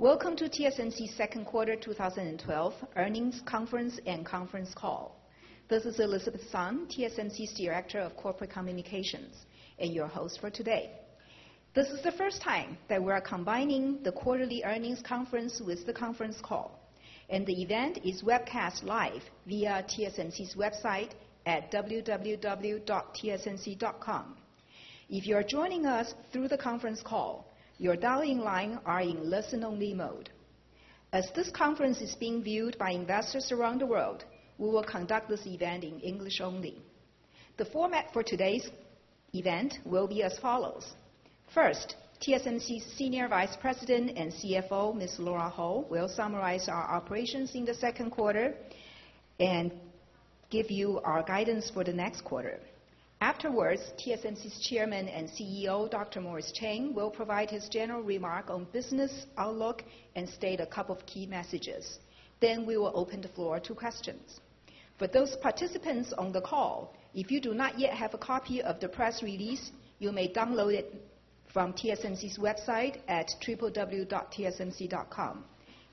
Welcome to TSMC's second quarter 2012 earnings conference and conference call. This is Elizabeth Sun, TSMC's Director of Corporate Communications and your host for today. This is the first time that we're combining the quarterly earnings conference with the conference call. The event is webcast live via TSMC's website at www.tsmc.com. If you are joining us through the conference call, your dial-in line are in listen-only mode. As this conference is being viewed by investors around the world, we will conduct this event in English only. The format for today's event will be as follows. First, TSMC's Senior Vice President and CFO, Ms. Lora Ho, will summarize our operations in the second quarter and give you our guidance for the next quarter. Afterwards, TSMC's Chairman and CEO, Dr. Morris Chang, will provide his general remark on business outlook and state a couple of key messages. We will open the floor to questions. For those participants on the call, if you do not yet have a copy of the press release, you may download it from TSMC's website at www.tsmc.com.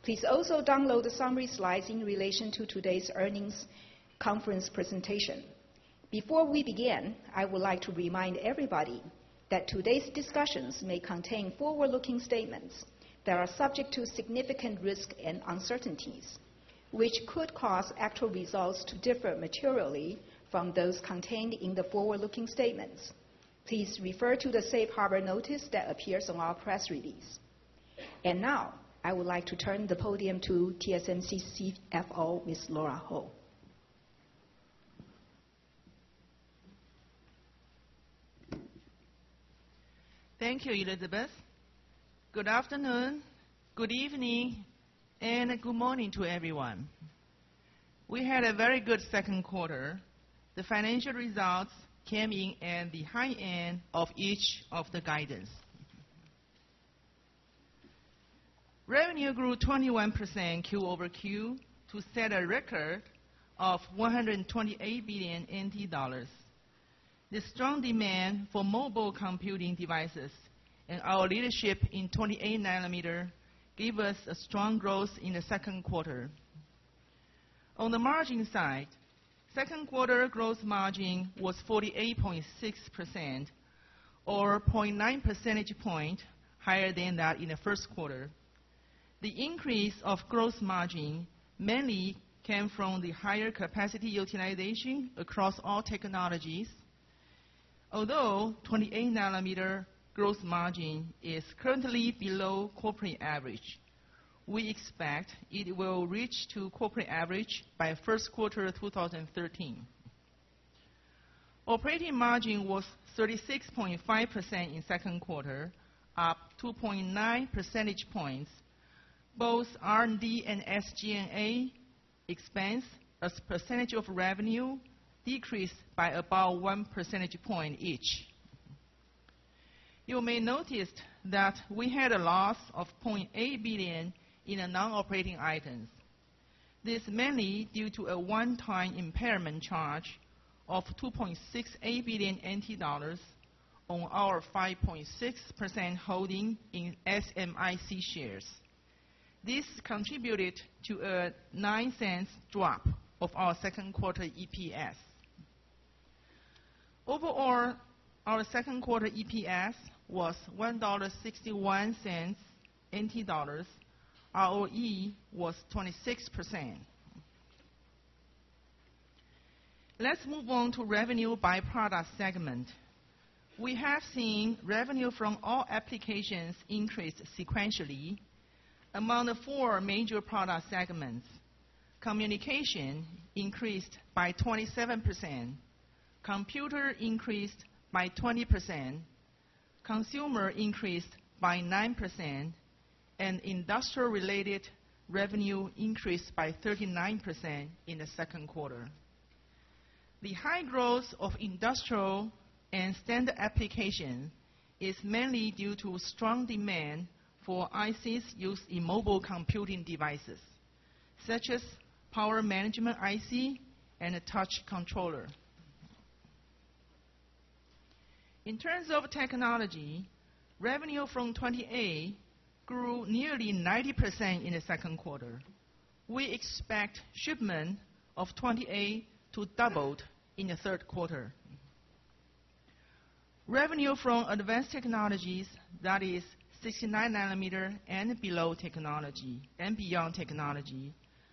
Please also download the summary slides in relation to today's earnings conference presentation. Before we begin, I would like to remind everybody that today's discussions may contain forward-looking statements that are subject to significant risk and uncertainties, which could cause actual results to differ materially from those contained in the forward-looking statements. Please refer to the safe harbor notice that appears on our press release. Now, I would like to turn the podium to TSMC CFO, Ms. Lora Ho. Thank you, Elizabeth. Good afternoon, good evening, and good morning to everyone. We had a very good second quarter. The financial results came in at the high end of each of the guidance. Revenue grew 21% Q-over-Q to set a record of 128 billion NT dollars. The strong demand for mobile computing devices and our leadership in 28 nanometer gave us a strong growth in the second quarter. On the margin side, second quarter growth margin was 48.6%, or 0.9 percentage point higher than that in the first quarter. The increase of growth margin mainly came from the higher capacity utilization across all technologies. Although 28 nanometer growth margin is currently below corporate average, we expect it will reach to corporate average by first quarter 2013. Operating margin was 36.5% in second quarter, up 2.9 percentage points. Both R&D and SG&A expense as percentage of revenue decreased by about one percentage point each. You may notice that we had a loss of 0.8 billion in the non-operating items. This mainly due to a one-time impairment charge of 2.68 billion NT dollars on our 5.6% holding in SMIC shares. This contributed to a 0.09 drop of our second quarter EPS. Overall, our second quarter EPS was 1.61 NT dollars. ROE was 26%. Let's move on to revenue by product segment. We have seen revenue from all applications increase sequentially. Among the four major product segments, communication increased by 27%, computer increased by 20%, consumer increased by 9%, and industrial-related revenue increased by 39% in the second quarter. The high growth of industrial and standard application is mainly due to strong demand for ICs used in mobile computing devices, such as power management IC and a touch controller. In terms of technology, revenue from 28 grew nearly 90% in the second quarter. We expect shipment of 28 to double in the third quarter. Revenue from advanced technologies, that is 65 nanometer and beyond technology,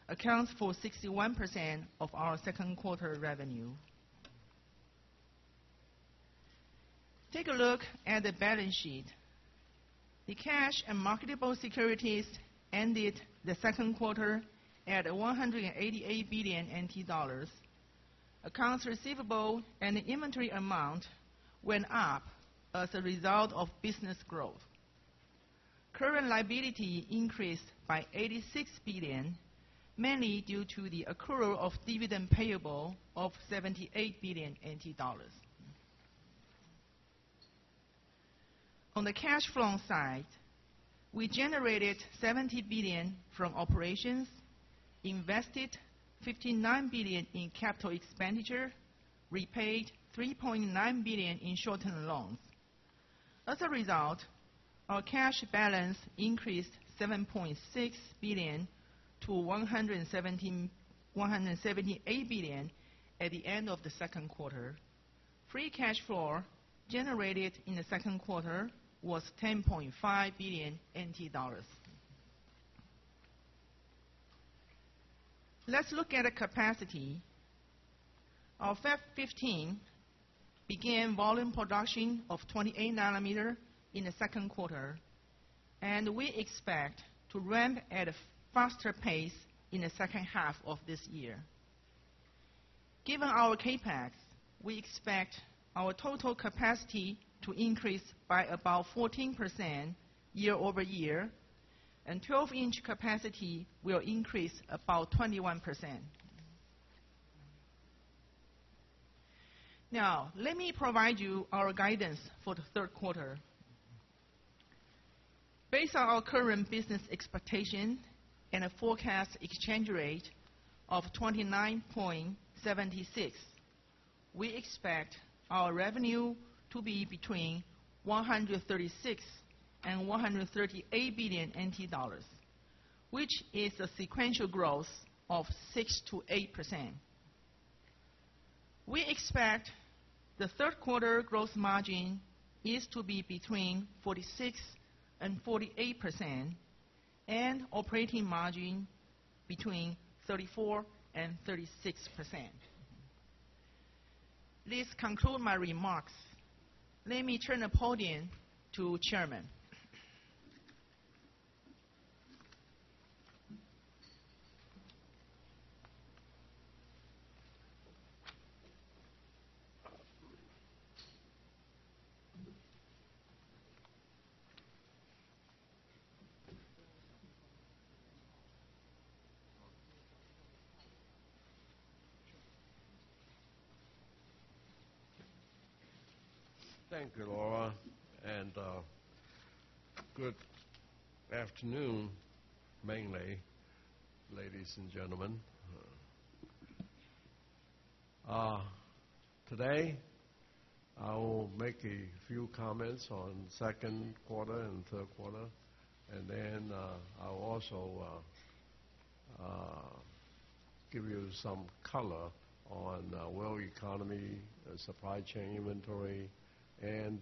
accounts for 61% of our second quarter revenue. Take a look at the balance sheet. The cash and marketable securities ended the second quarter at 188 billion NT dollars. Accounts receivable and inventory amount went up as a result of business growth. Current liability increased by 86 billion, mainly due to the accrual of dividend payable of 78 billion NT dollars. On the cash flow side, we generated 70 billion from operations. Invested 59 billion in capital expenditure, repaid 3.9 billion in short-term loans. As a result, our cash balance increased 7.6 billion to 178 billion at the end of the second quarter. Free cash flow generated in the second quarter was 10.5 billion NT dollars. Let's look at the capacity. Our Fab 15 began volume production of 28 nanometer in the second quarter, and we expect to ramp at a faster pace in the second half of this year. Given our CapEx, we expect our total capacity to increase by about 14% year-over-year, and 12-inch capacity will increase about 21%. Let me provide you our guidance for the third quarter. Based on our current business expectation and a forecast exchange rate of 29.76, we expect our revenue to be between 136 billion and 138 billion NT dollars, which is a sequential growth of 6%-8%. We expect the third quarter gross margin to be between 46%-48%, and operating margin between 34%-36%. This concludes my remarks. Let me turn the podium to Chairman. Thank you, Lora, good afternoon, ladies and gentlemen. Today, I will make a few comments on second quarter and third quarter, I'll also give you some color on world economy, supply chain inventory, and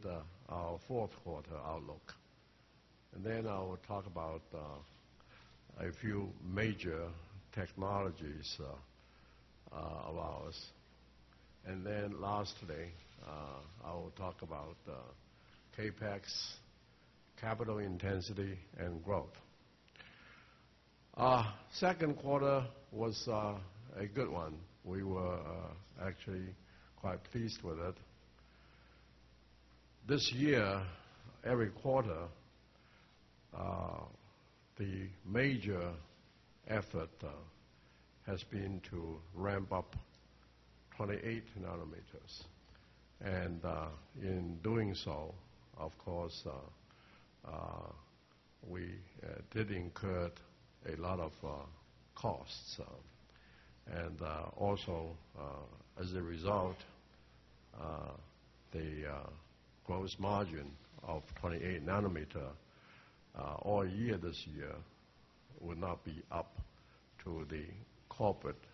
our fourth quarter outlook. I will talk about a few major technologies of ours. Lastly, I will talk about CapEx, capital intensity, and growth. Second quarter was a good one. We were actually quite pleased with it. This year, every quarter, the major effort has been to ramp up 28 nanometers. In doing so, of course, we did incur a lot of costs. Also, as a result, the gross margin of 28 nanometer all year this year will not be up to the corporate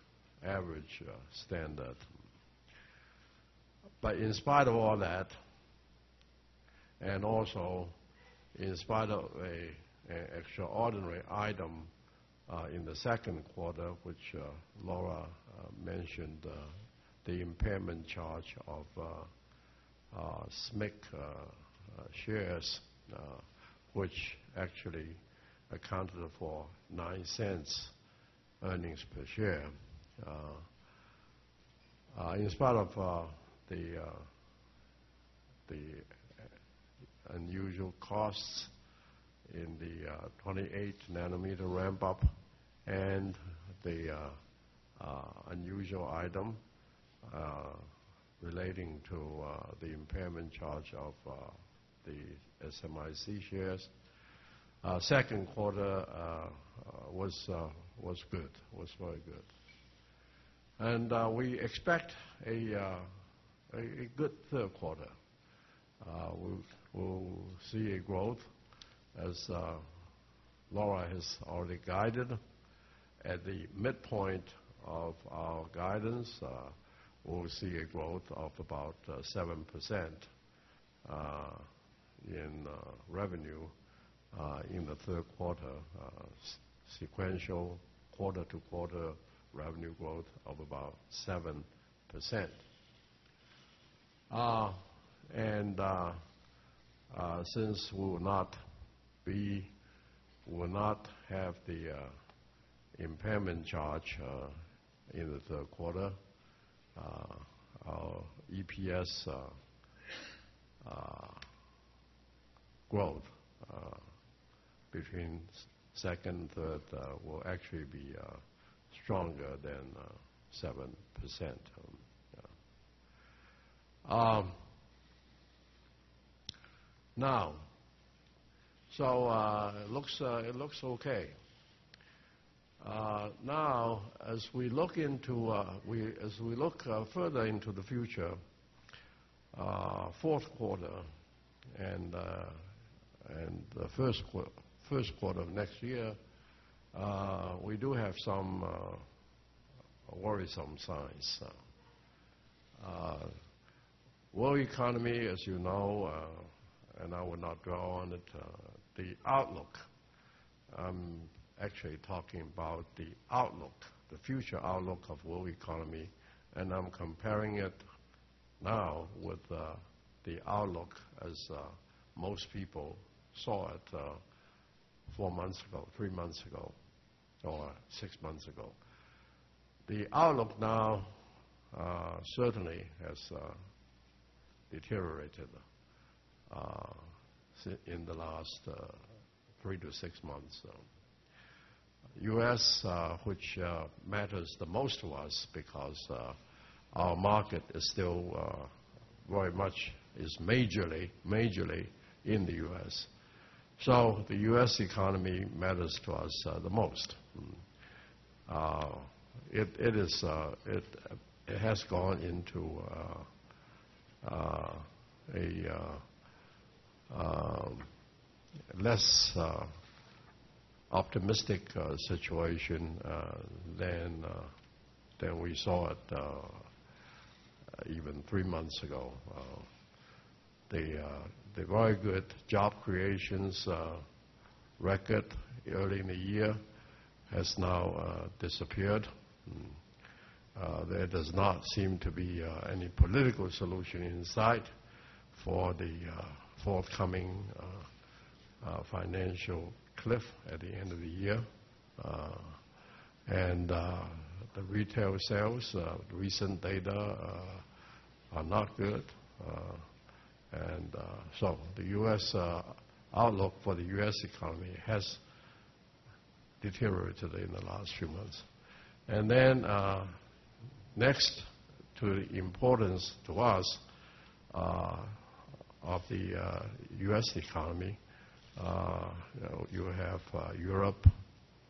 average standard. In spite of all that, also in spite of an extraordinary item in the second quarter, which Lora mentioned, the impairment charge of SMIC shares, which actually accounted for 0.09 earnings per share. In spite of the unusual costs in the 28-nanometer ramp-up and the unusual item relating to the impairment charge of the SMIC shares, second quarter was very good, we expect a good third quarter. We'll see a growth, as Lora has already guided. At the midpoint of our guidance, we'll see a growth of about 7% in revenue in the third quarter, sequential quarter-to-quarter revenue growth of about 7%. Since we will not have the impairment charge in the third quarter, our EPS growth between second and third will actually be stronger than 7%. It looks okay. As we look further into the future, fourth quarter and the first quarter of next year, we do have some worrisome signs. World economy, as you know, and I will not draw on it, the outlook. I'm actually talking about the outlook, the future outlook of world economy, and I'm comparing it now with the outlook as most people saw it four months ago, three months ago, or six months ago. The outlook now certainly has deteriorated in the last three to six months. The U.S., which matters the most to us because our market is still very much, is majorly in the U.S. The U.S. economy matters to us the most. It has gone into a less optimistic situation than we saw it even three months ago. The very good job creations record early in the year has now disappeared. There does not seem to be any political solution in sight for the forthcoming financial cliff at the end of the year. The retail sales, recent data are not good. The outlook for the U.S. economy has deteriorated in the last few months. Next to importance to us of the U.S. economy, you have Europe,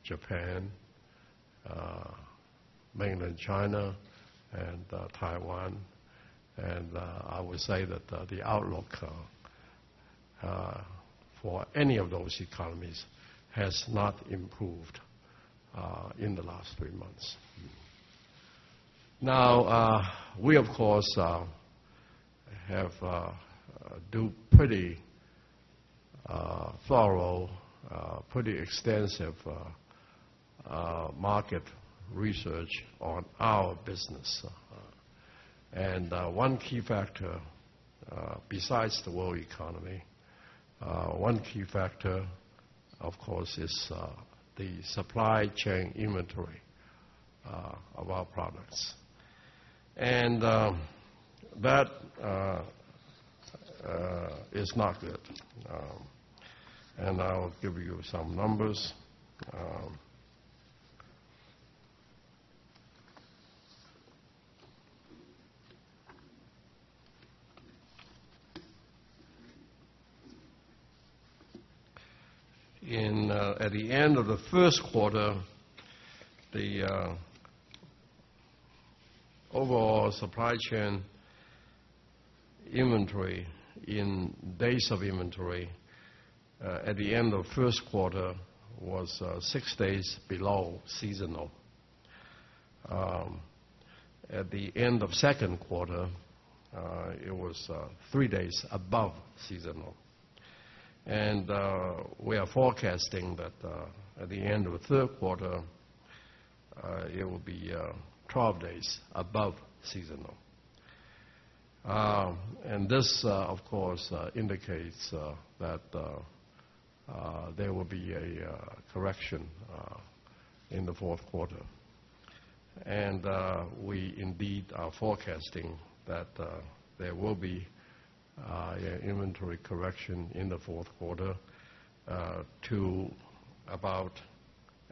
Japan, Mainland China, and Taiwan. I would say that the outlook for any of those economies has not improved in the last three months. We, of course, do pretty thorough, pretty extensive market research on our business. One key factor, besides the world economy, one key factor, of course, is the supply chain inventory of our products. That is not good. I'll give you some numbers. At the end of the first quarter, the overall supply chain inventory in days of inventory at the end of first quarter was six days below seasonal. At the end of second quarter, it was three days above seasonal. We are forecasting that at the end of third quarter, it will be 12 days above seasonal. This, of course, indicates that there will be a correction in the fourth quarter. We indeed are forecasting that there will be an inventory correction in the fourth quarter to about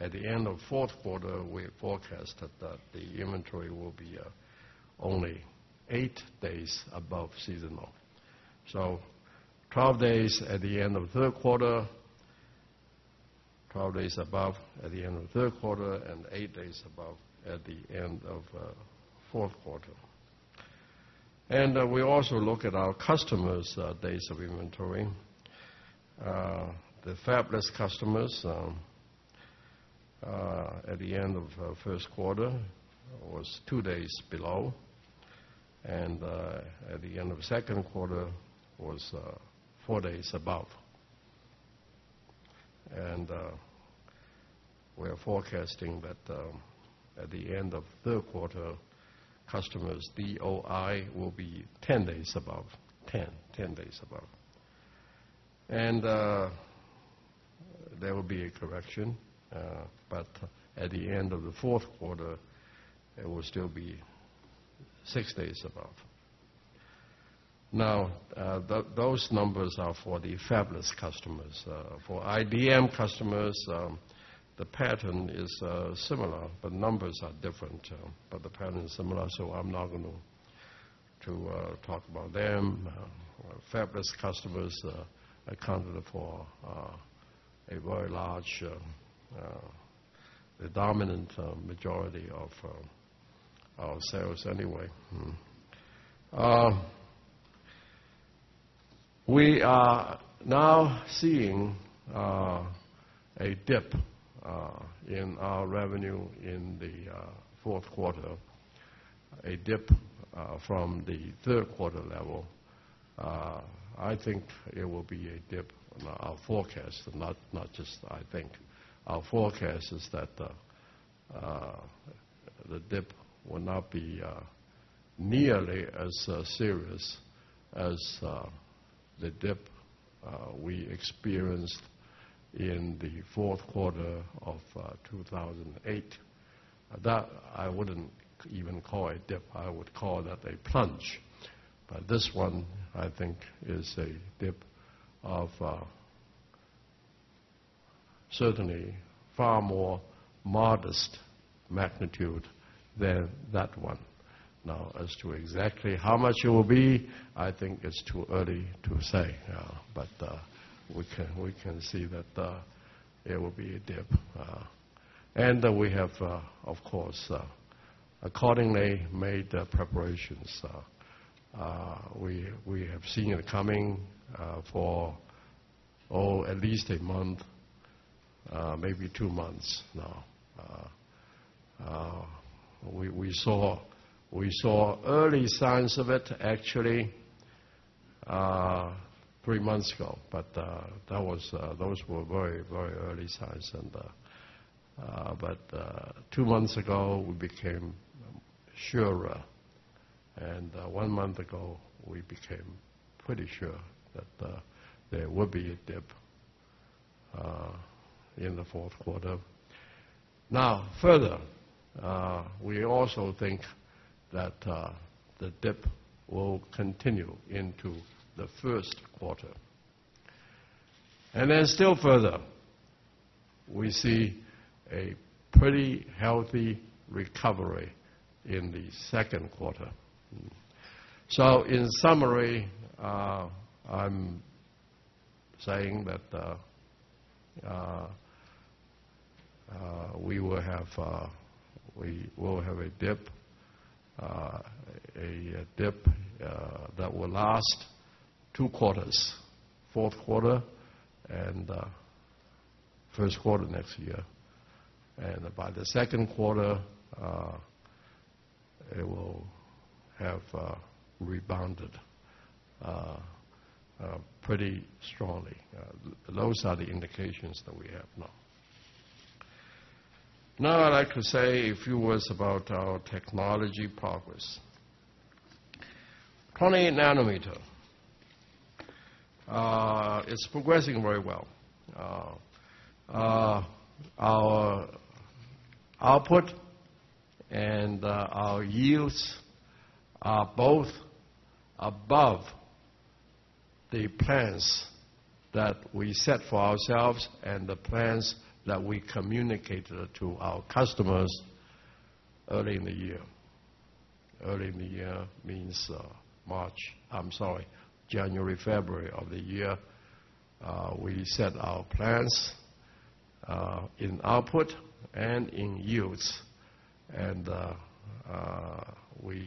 at the end of fourth quarter, we forecast that the inventory will be only eight days above seasonal. 12 days at the end of third quarter, 12 days above at the end of third quarter, and eight days above at the end of fourth quarter. We also look at our customers' days of inventory. The fabless customers at the end of first quarter was two days below, and at the end of second quarter was four days above. We are forecasting that at the end of third quarter, customers' DOI will be 10 days above, 10 days above. There will be a correction, but at the end of the fourth quarter, it will still be six days above. Those numbers are for the fabless customers. For IDM customers, the pattern is similar, but numbers are different. The pattern is similar, so I'm not going to talk about them. Our fabless customers accounted for a very large, the dominant majority of our sales anyway. We are now seeing a dip in our revenue in the fourth quarter, a dip from the third-quarter level. I think it will be a dip in our forecast, not just I think. Our forecast is that the dip will not be nearly as serious as the dip we experienced in the fourth quarter of 2008. That I wouldn't even call a dip. I would call that a plunge. This one, I think, is a dip of certainly far more modest magnitude than that one. As to exactly how much it will be, I think it's too early to say. We can see that there will be a dip. We have, of course, accordingly made preparations. We have seen it coming for, oh, at least a month, maybe two months now. We saw early signs of it actually three months ago, but those were very early signs. Two months ago, we became surer, and one month ago, we became pretty sure that there will be a dip in the fourth quarter. Further, we also think that the dip will continue into the first quarter. Still further, we see a pretty healthy recovery in the second quarter. In summary, I'm saying that we will have a dip that will last two quarters, fourth quarter and first quarter next year. By the second quarter, it will have rebounded pretty strongly. Those are the indications that we have now. I'd like to say a few words about our technology progress. 28 nanometer. It's progressing very well. Our output and our yields are both above the plans that we set for ourselves and the plans that we communicated to our customers early in the year. Early in the year means January, February of the year, we set our plans in output and in yields. We,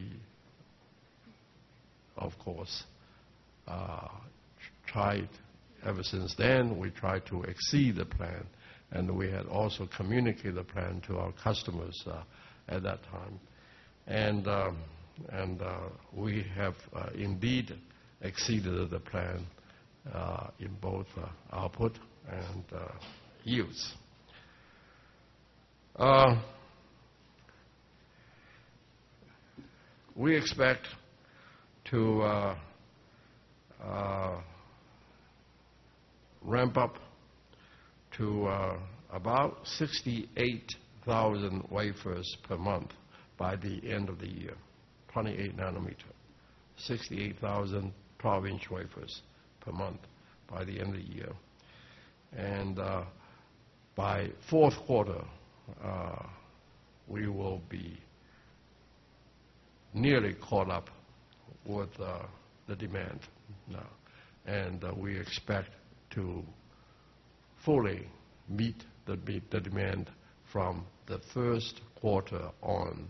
of course, ever since then, we tried to exceed the plan, and we had also communicated the plan to our customers at that time. We have indeed exceeded the plan in both output and yields. We expect to ramp up to about 68,000 wafers per month by the end of the year, 28 nanometer, 68,000 12-inch wafers per month by the end of the year. By fourth quarter, we will be nearly caught up with the demand now, and we expect to fully meet the demand from the first quarter on.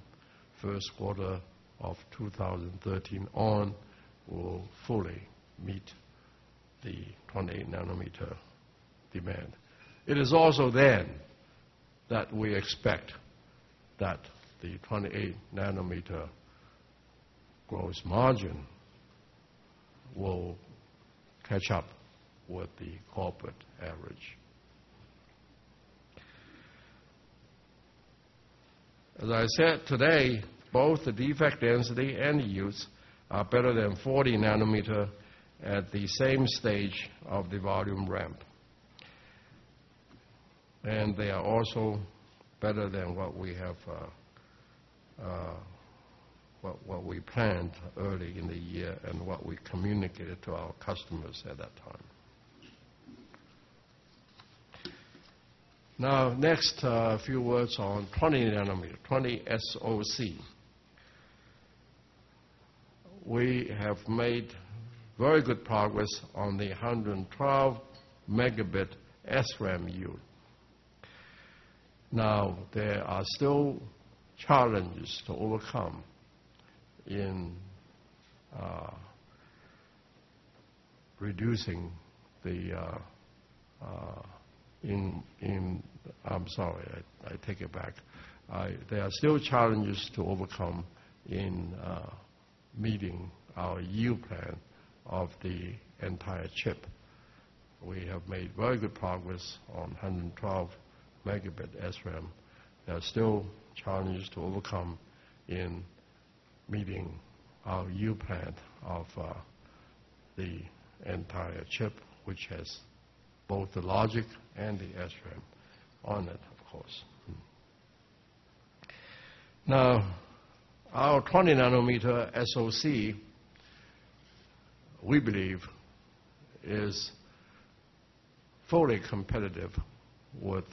First quarter of 2013 on, we'll fully meet the 28-nanometer demand. It is also then that we expect that the 28-nanometer gross margin will catch up with the corporate average. As I said today, both the defect density and yields are better than 40 nanometer at the same stage of the volume ramp. They are also better than what we planned early in the year and what we communicated to our customers at that time. Next, a few words on 20 nanometer, 20 SoC. We have made very good progress on the 112 megabit SRAM unit. There are still challenges to overcome in meeting our yield plan of the entire chip. We have made very good progress on 112 megabit SRAM. There are still challenges to overcome in meeting our yield plan of the entire chip, which has both the logic and the SRAM on it, of course. Our 20 nanometer SoC, we believe is fully competitive with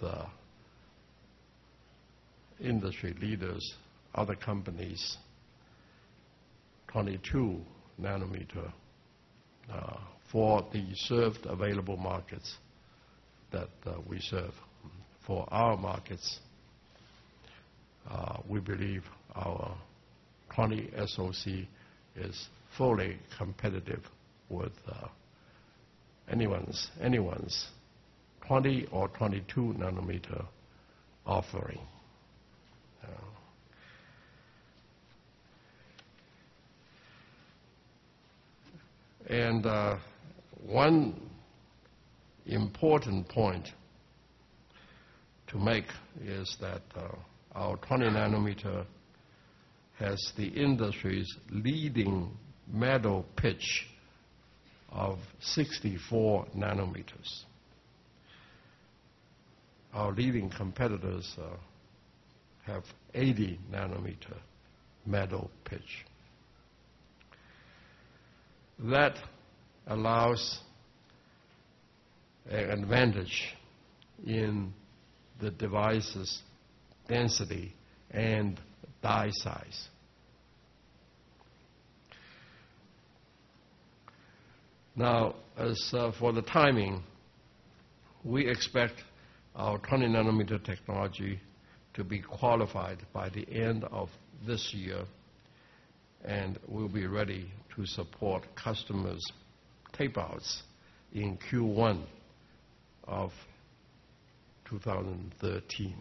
industry leaders, other companies, 22 nanometer for the served available markets that we serve. For our markets, we believe our 20 SoC is fully competitive with anyone's 20 or 22 nanometer offering. One important point to make is that our 20 nanometer has the industry's leading metal pitch of 64 nanometers. Our leading competitors have 80 nanometer metal pitch. That allows an advantage in the device's density and die size. Now, as for the timing, we expect our 20 nanometer technology to be qualified by the end of this year, and we'll be ready to support customers' tape outs in Q1 of 2013.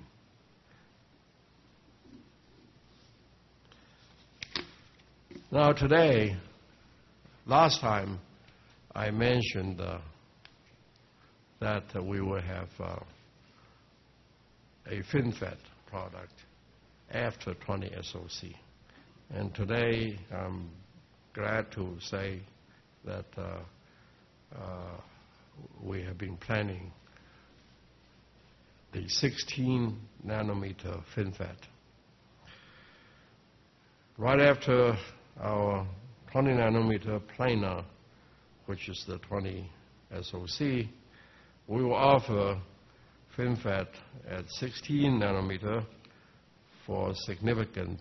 Now today, last time, I mentioned that we will have a FinFET product after 20SoC. Today, I'm glad to say that we have been planning the 16 nanometer FinFET. Right after our 20 nanometer planar, which is the 20SoC, we will offer FinFET at 16 nanometer for significant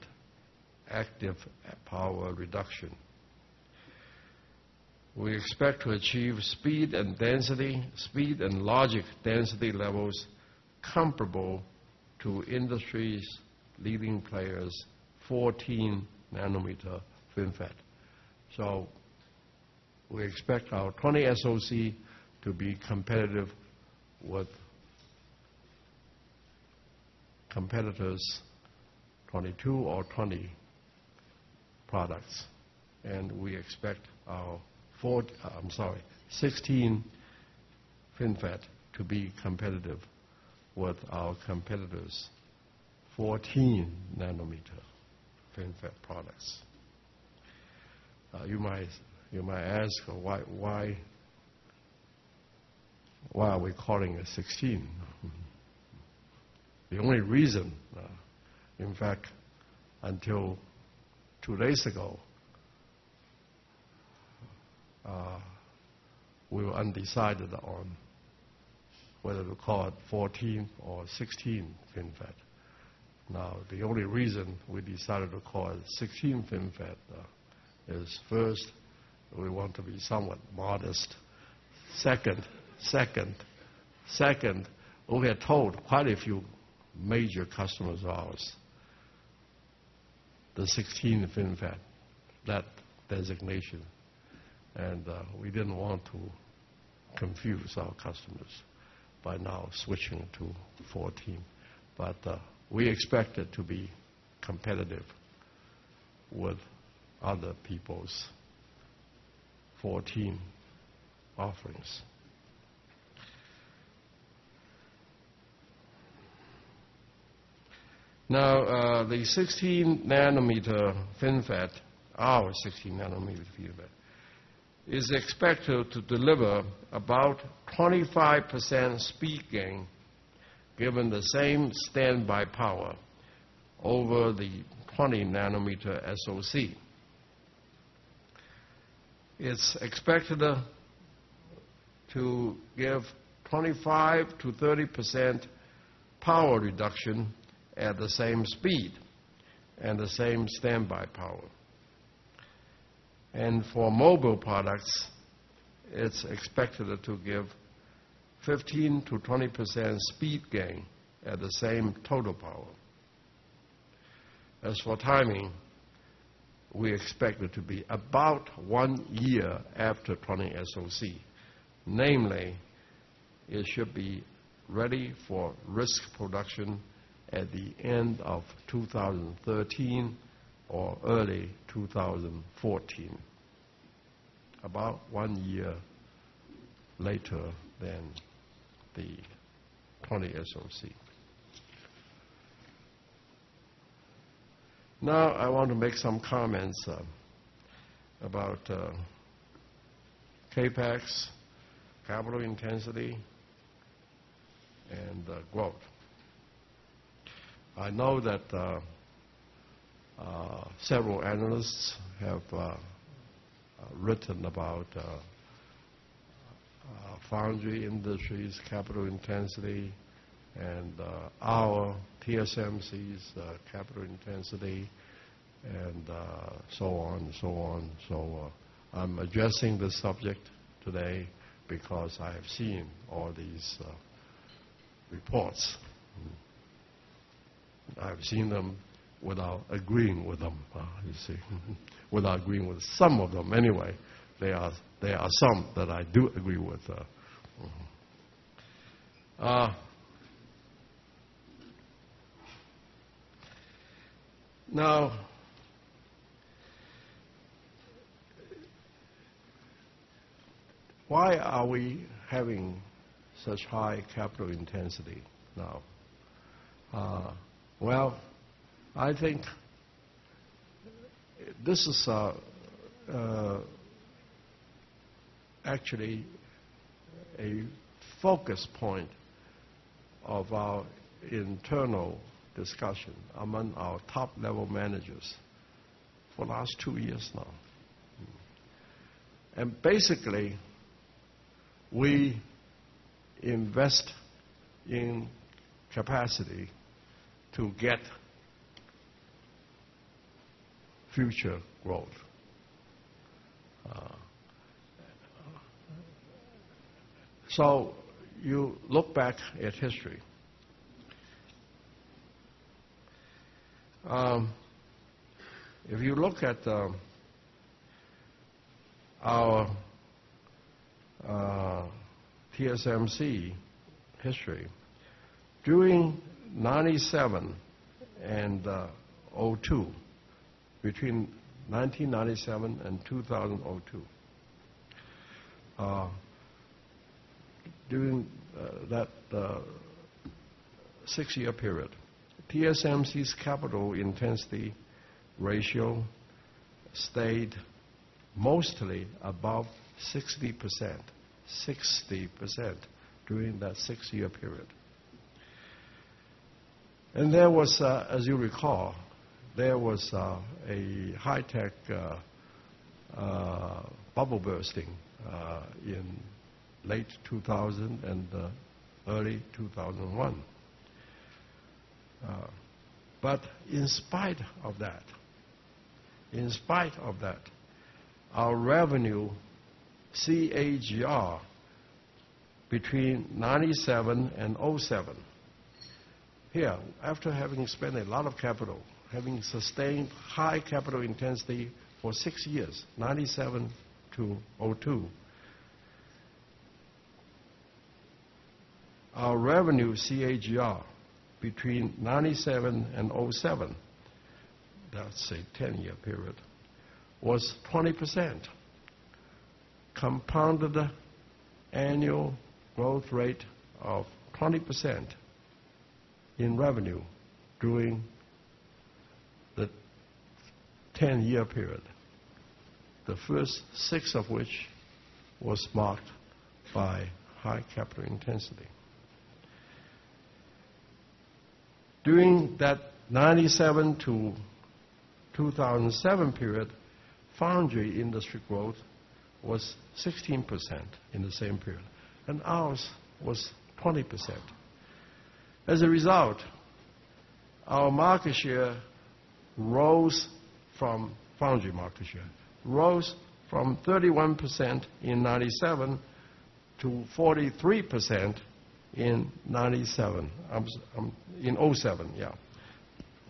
active power reduction. We expect to achieve speed and logic density levels comparable to industry's leading players' 14 nanometer FinFET. We expect our 20SoC to be competitive with competitors' 22 or 20 products. We expect our 16 FinFET to be competitive with our competitors' 14 nanometer FinFET products. You might ask why are we calling it 16? The only reason, in fact, until 2 days ago we were undecided on whether to call it 14 or 16 FinFET. Now, the only reason we decided to call it 16 FinFET is first, we want to be somewhat modest. Second, we had told quite a few major customers of ours, the 16 FinFET, that designation, and we didn't want to confuse our customers by now switching to 14. We expect it to be competitive with other people's 14 offerings. Now, the 16 nanometer FinFET, our 16 nanometer FinFET, is expected to deliver about 25% speed gain given the same standby power over the 20 nanometer SoC. It's expected to give 25%-30% power reduction at the same speed and the same standby power. For mobile products, it's expected to give 15%-20% speed gain at the same total power. As for timing, we expect it to be about 1 year after 20SoC, namely, it should be ready for risk production at the end of 2013 or early 2014, about 1 year later than the 20SoC. Now, I want to make some comments about CapEx, capital intensity, and growth. I know that several analysts have written about foundry industry's capital intensity and our TSMC's capital intensity, and so on. I'm addressing this subject today because I have seen all these reports. I've seen them without agreeing with them. Without agreeing with some of them, anyway. There are some that I do agree with. Now, why are we having such high capital intensity now? I think this is actually a focus point of our internal discussion among our top-level managers for the last 2 years now. Basically, we invest in capacity to get future growth. You look back at history. If you look at our TSMC history, during 1997 and 2002, between 1997 and 2002, during that 6-year period, TSMC's capital intensity ratio stayed mostly above 60%. 60% during that 6-year period. As you recall, there was a high-tech bubble bursting in late 2000 and early 2001. In spite of that, our revenue CAGR between 1997 and 2007, here, after having spent a lot of capital, having sustained high capital intensity for 6 years, 1997 to 2002. Our revenue CAGR between 1997 and 2007, that's a 10-year period, was 20%, compounded annual growth rate of 20% in revenue during the 10-year period. The first six of which was marked by high capital intensity. During that 1997 to 2007 period, foundry industry growth was 16% in the same period. Ours was 20%. As a result, our foundry market share rose from 31% in 1997 to 43% in 2007.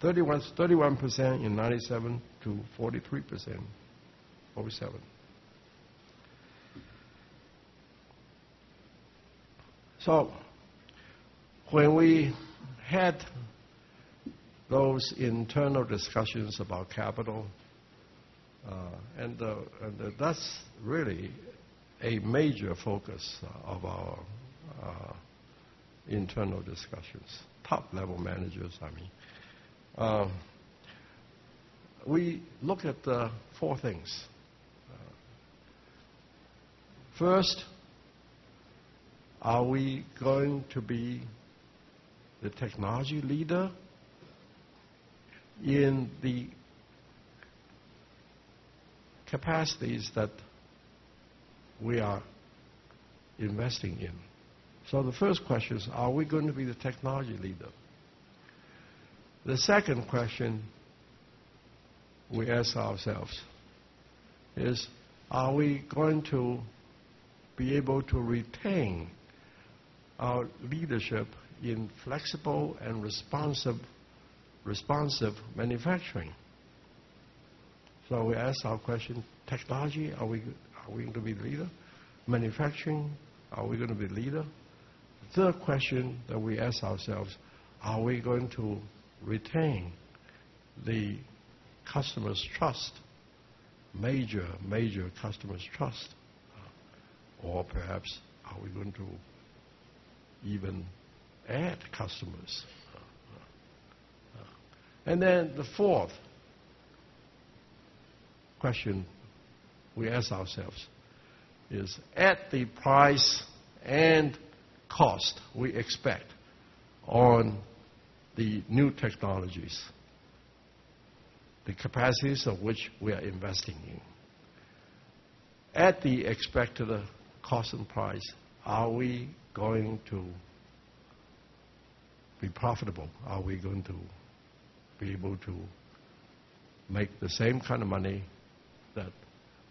31% in 1997 to 43%, 2007. When we had those internal discussions about capital, and that's really a major focus of our internal discussions, top-level managers, I mean. We look at four things. First, are we going to be the technology leader? In the capacities that we are investing in. The first question is, are we going to be the technology leader? The second question we ask ourselves is, are we going to be able to retain our leadership in flexible and responsive manufacturing? We ask our question, technology, are we going to be the leader? Manufacturing, are we going to be leader? Third question that we ask ourselves, are we going to retain the customers' trust, major customers' trust, or perhaps are we going to even add customers? The fourth question we ask ourselves is, at the price and cost we expect on the new technologies, the capacities of which we are investing in, at the expected cost and price, are we going to be profitable? Are we going to be able to make the same kind of money that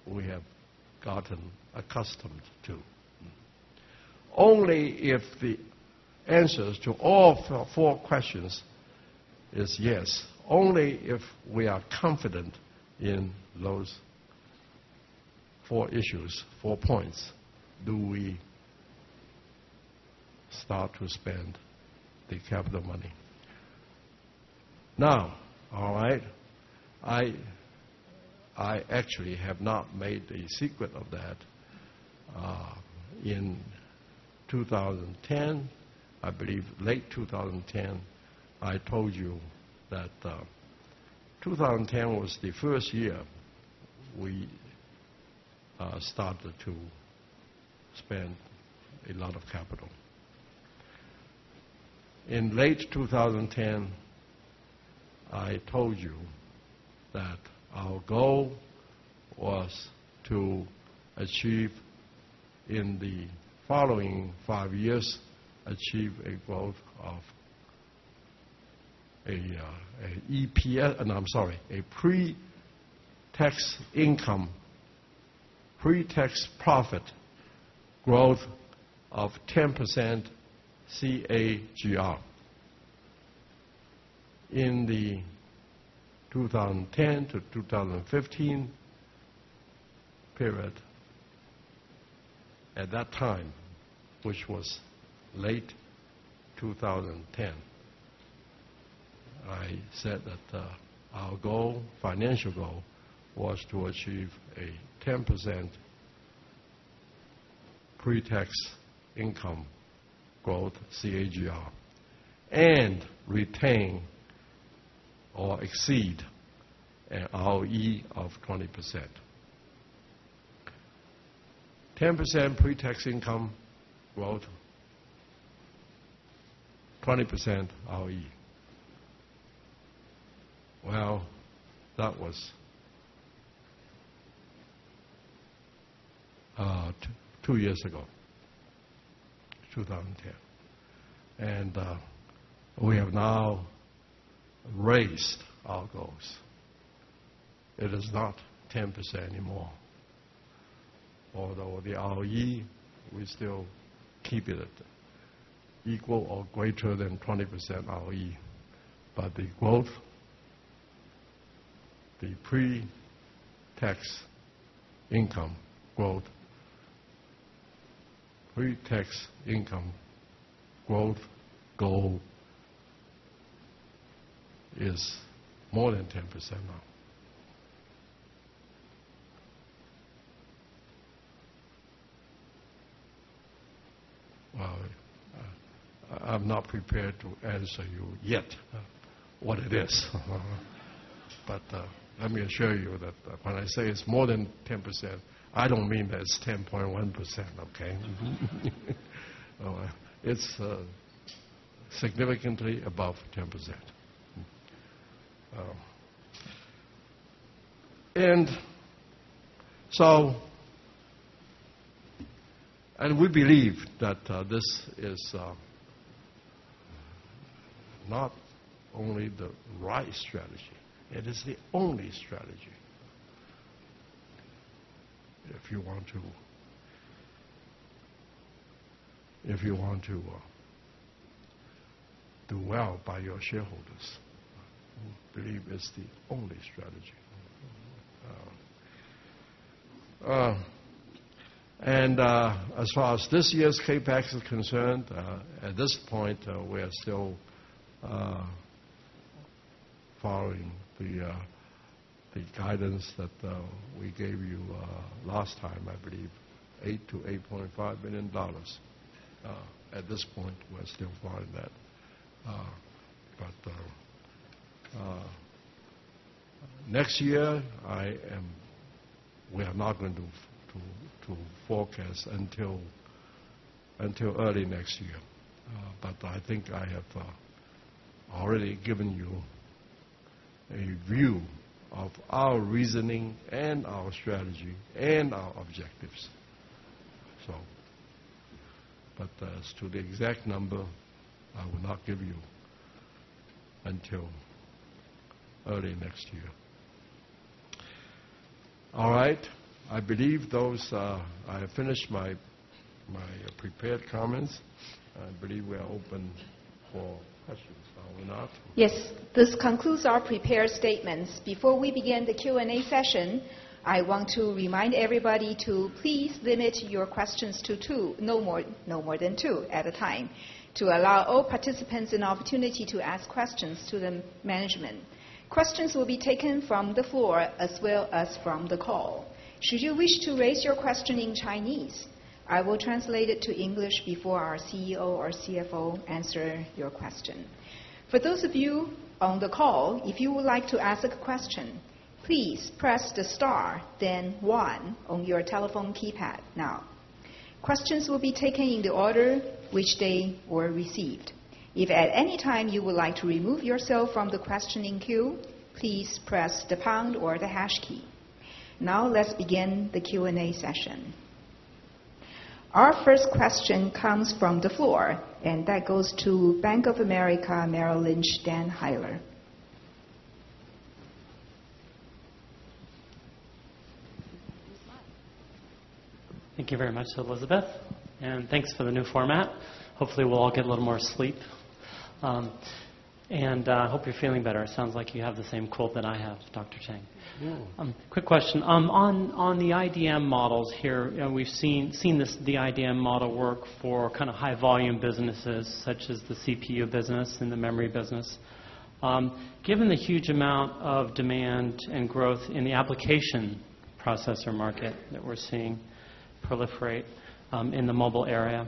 we have gotten accustomed to? Only if the answers to all four questions is yes, only if we are confident in those four issues, four points, do we start to spend the capital money. I actually have not made a secret of that. In 2010, I believe late 2010, I told you that 2010 was the first year we started to spend a lot of capital. In late 2010, I told you that our goal was, in the following five years, achieve a pretax profit growth of 10% CAGR in the 2010 to 2015 period. At that time, which was late 2010, I said that our financial goal was to achieve a 10% pretax income growth CAGR and retain or exceed an ROE of 20%. 10% pretax income growth, 20% ROE. That was two years ago, 2010, we have now raised our goals. It is not 10% anymore, although the ROE, we still keep it at equal or greater than 20% ROE. The pretax income growth goal is more than 10% now. I'm not prepared to answer you yet what it is. Let me assure you that when I say it's more than 10%, I don't mean that it's 10.1%, okay? It's significantly above 10%. We believe that this is not only the right strategy, it is the only strategy. If you want to do well by your shareholders, we believe it's the only strategy. As far as this year's CapEx is concerned, at this point, we are still following the guidance that we gave you last time, I believe, $8 billion-$8.5 billion. At this point, we are still following that. Next year, we are not going to forecast until early next year. I think I have already given you a view of our reasoning and our strategy and our objectives. As to the exact number, I will not give you until early next year. All right, I believe I have finished my prepared comments. I believe we are open for questions, are we not? Yes. This concludes our prepared statements. Before we begin the Q&A session, I want to remind everybody to please limit your questions to two, no more than two at a time, to allow all participants an opportunity to ask questions to the management. Questions will be taken from the floor as well as from the call. Should you wish to raise your question in Chinese, I will translate it to English before our CEO or CFO answer your question. For those of you on the call, if you would like to ask a question, please press the star, then one on your telephone keypad now. Questions will be taken in the order which they were received. If at any time you would like to remove yourself from the questioning queue, please press the pound or the hash key. Let's begin the Q&A session. Our first question comes from the floor, and that goes to Bank of America Merrill Lynch, Dan Heyler. Use the mic. Thank you very much, Elizabeth. Thanks for the new format. Hopefully, we'll all get a little more sleep. I hope you're feeling better. It sounds like you have the same cold that I have, Dr. Chang. Yeah. Quick question. On the IDM models here, we've seen the IDM model work for high volume businesses such as the CPU business and the memory business. Given the huge amount of demand and growth in the application processor market that we're seeing proliferate in the mobile area,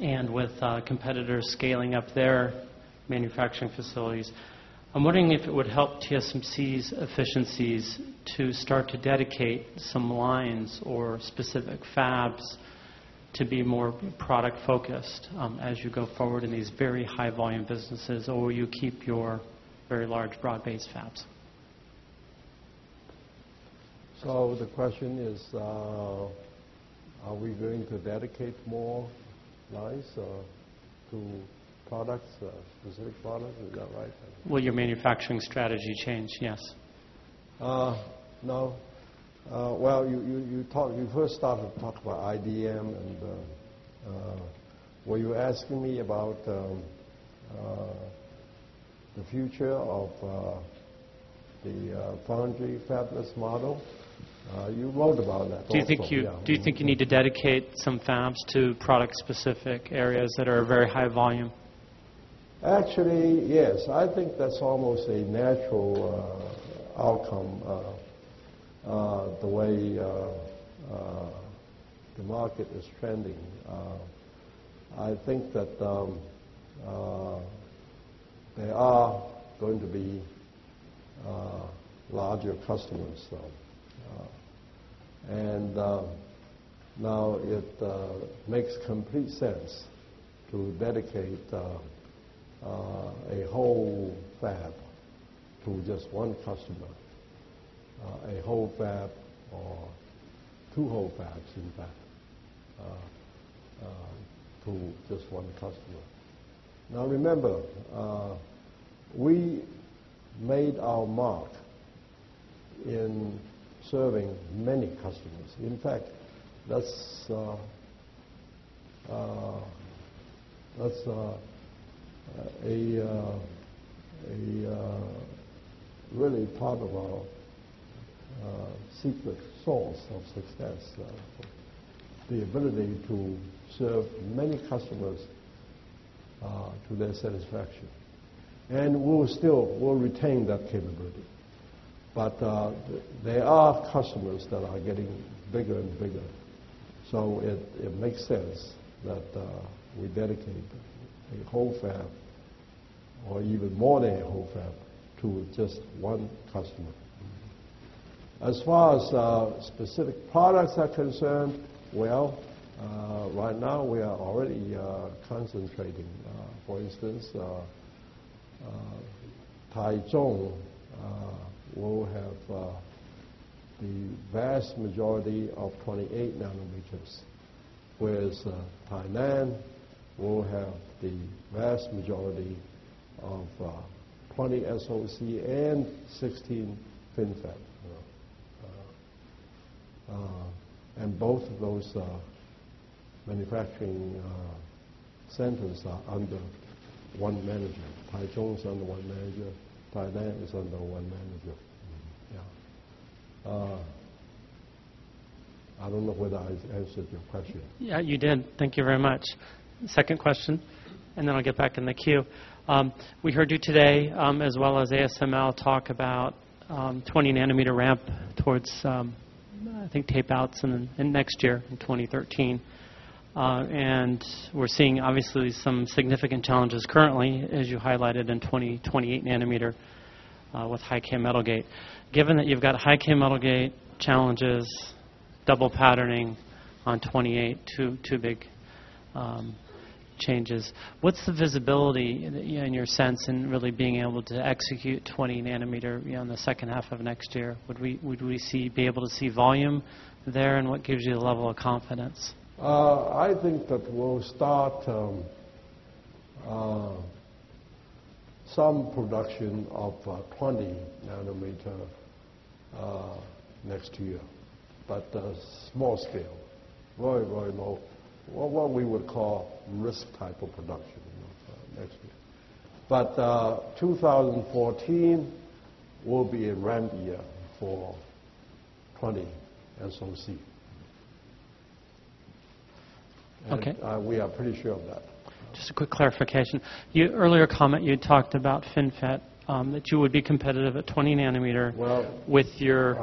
and with competitors scaling up their manufacturing facilities, I'm wondering if it would help TSMC's efficiencies to start to dedicate some lines or specific fabs to be more product-focused as you go forward in these very high volume businesses, or will you keep your very large broad-based fabs? The question is, are we going to dedicate more lines to specific products? Is that right? Will your manufacturing strategy change? Yes. No. You first started to talk about IDM and were you asking me about the future of the foundry fabless model? You wrote about that also. Do you think you need to dedicate some fabs to product-specific areas that are very high volume? Actually, yes. I think that's almost a natural outcome the way the market is trending. I think that there are going to be larger customers. It makes complete sense to dedicate a whole fab to just one customer. A whole fab or two whole fabs, in fact, to just one customer. Now, remember, we made our mark in serving many customers. In fact, that's really part of our secret sauce of success. The ability to serve many customers to their satisfaction. We'll retain that capability. There are customers that are getting bigger and bigger, so it makes sense that we dedicate a whole fab or even more than a whole fab to just one customer. As far as specific products are concerned, well, right now we are already concentrating. For instance, Taichung will have the vast majority of 28 nanometers, whereas Tainan will have the vast majority of 20SoC and 16 FinFET. Both of those manufacturing centers are under one manager. Taichung is under one manager, Tainan is under one manager. Yeah. I don't know whether I answered your question. Yeah, you did. Thank you very much. Then I'll get back in the queue. We heard you today, as well as ASML, talk about 20 nanometer ramp towards- I think tape outs in next year, in 2013. We're seeing obviously some significant challenges currently, as you highlighted in 20, 28 nanometer with High-k metal gate. Given that you've got High-k metal gate challenges, double patterning on 28, two big changes, what's the visibility in your sense in really being able to execute 20 nanometer in the second half of next year? Would we be able to see volume there, and what gives you the level of confidence? I think that we'll start some production of 20 nanometer next year. Small scale. Very low. What we would call risk type of production next year. 2014 will be a ramp year for 20 SoC. Okay. We are pretty sure of that. Just a quick clarification. Earlier comment, you had talked about FinFET, that you would be competitive at 20 nanometer- Well- with your-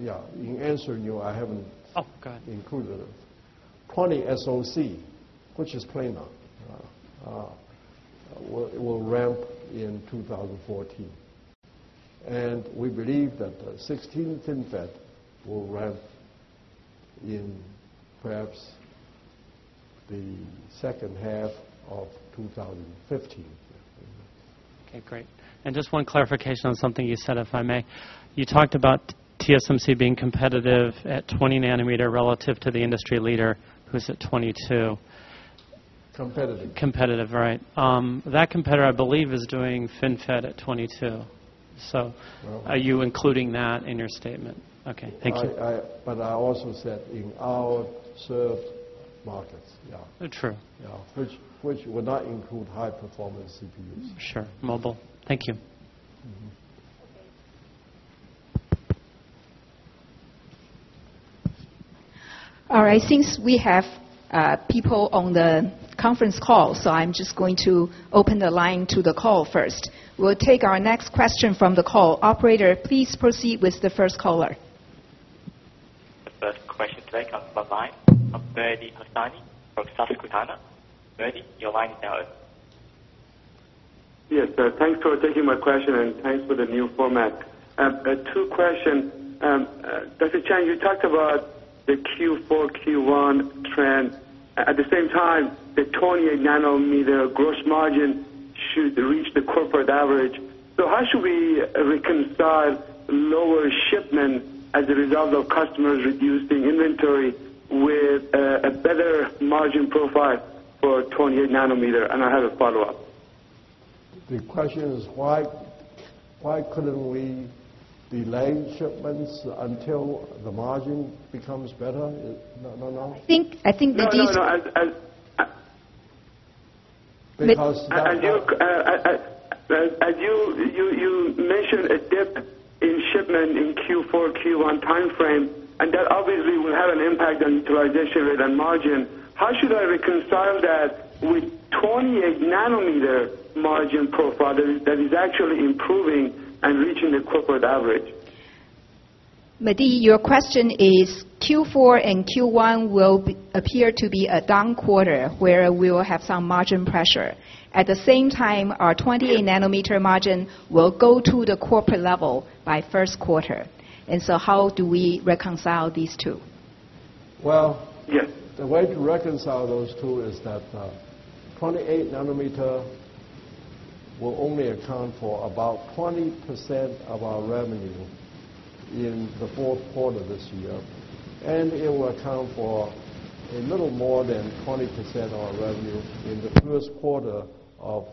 Yeah. In answering you, I haven't. Oh, go ahead. included it. 20SoC, which is planar, will ramp in 2014. We believe that the 16 FinFET will ramp in perhaps the second half of 2015. Okay, great. Just one clarification on something you said, if I may. You talked about TSMC being competitive at 20 nanometer relative to the industry leader, who's at 22. Competitive. Competitive, right. That competitor, I believe, is doing FinFET at 22. Are you including that in your statement? Okay. Thank you. I also said in our served markets. Yeah. True. Yeah. Which would not include high performance CPUs. Sure. Mobile. Thank you. Okay. All right. Since we have people on the conference call, I'm just going to open the line to the call first. We'll take our next question from the call. Operator, please proceed with the first caller. The first question today comes from the line of Mehdi Hosseini from Susquehanna. Mehdi, your line is now open. Yes. Thanks for taking my question, thanks for the new format. Two question. Dr. Chang, you talked about the Q4, Q1 trend. At the same time, the 28 nanometer gross margin should reach the corporate average. How should we reconcile lower shipment as a result of customers reducing inventory with a better margin profile for 28 nanometer? I have a follow-up. The question is why couldn't we delay shipments until the margin becomes better? No? I think. No. Because. As you mentioned, a dip in shipment in Q4, Q1 time frame, and that obviously will have an impact on utilization rate and margin. How should I reconcile that with 28 nanometer margin profile that is actually improving and reaching the corporate average? Mehdi, your question is Q4 and Q1 will appear to be a down quarter, where we will have some margin pressure. At the same time, our 28 nanometer margin will go to the corporate level by first quarter. How do we reconcile these two? Well- Yes The way to reconcile those two is that 28 nanometer will only account for about 20% of our revenue in the fourth quarter this year, and it will account for a little more than 20% of our revenue in the first quarter of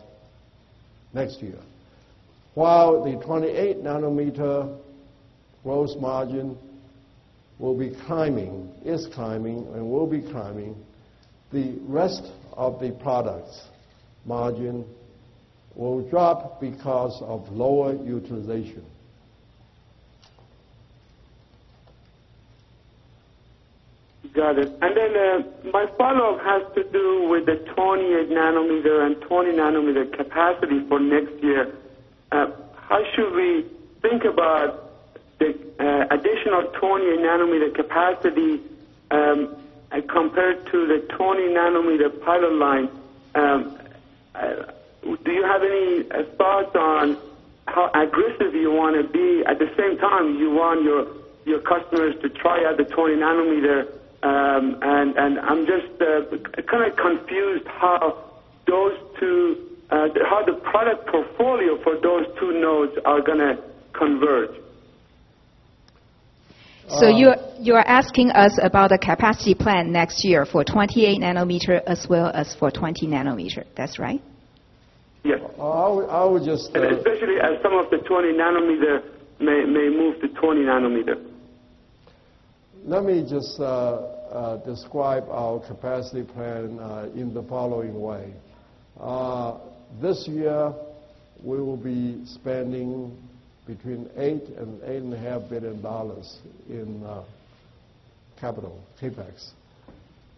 next year. While the 28 nanometer gross margin will be climbing, is climbing, and will be climbing, the rest of the products margin will drop because of lower utilization. Got it. My follow-up has to do with the 28 nanometer and 20 nanometer capacity for next year. How should we think about the additional 28 nanometer capacity compared to the 20 nanometer pilot line? Do you have any thoughts on how aggressive you want to be? At the same time, you want your customers to try out the 20 nanometer. I'm just kind of confused how the product portfolio for those two nodes are going to converge. You are asking us about the capacity plan next year for 28 nanometer as well as for 20 nanometer. That's right? Yes. I would just- Especially as some of the 20 nanometer may move to 20 nanometer. Let me just describe our capacity plan in the following way. This year, we will be spending between $8 billion-$8.5 billion in capital CapEx.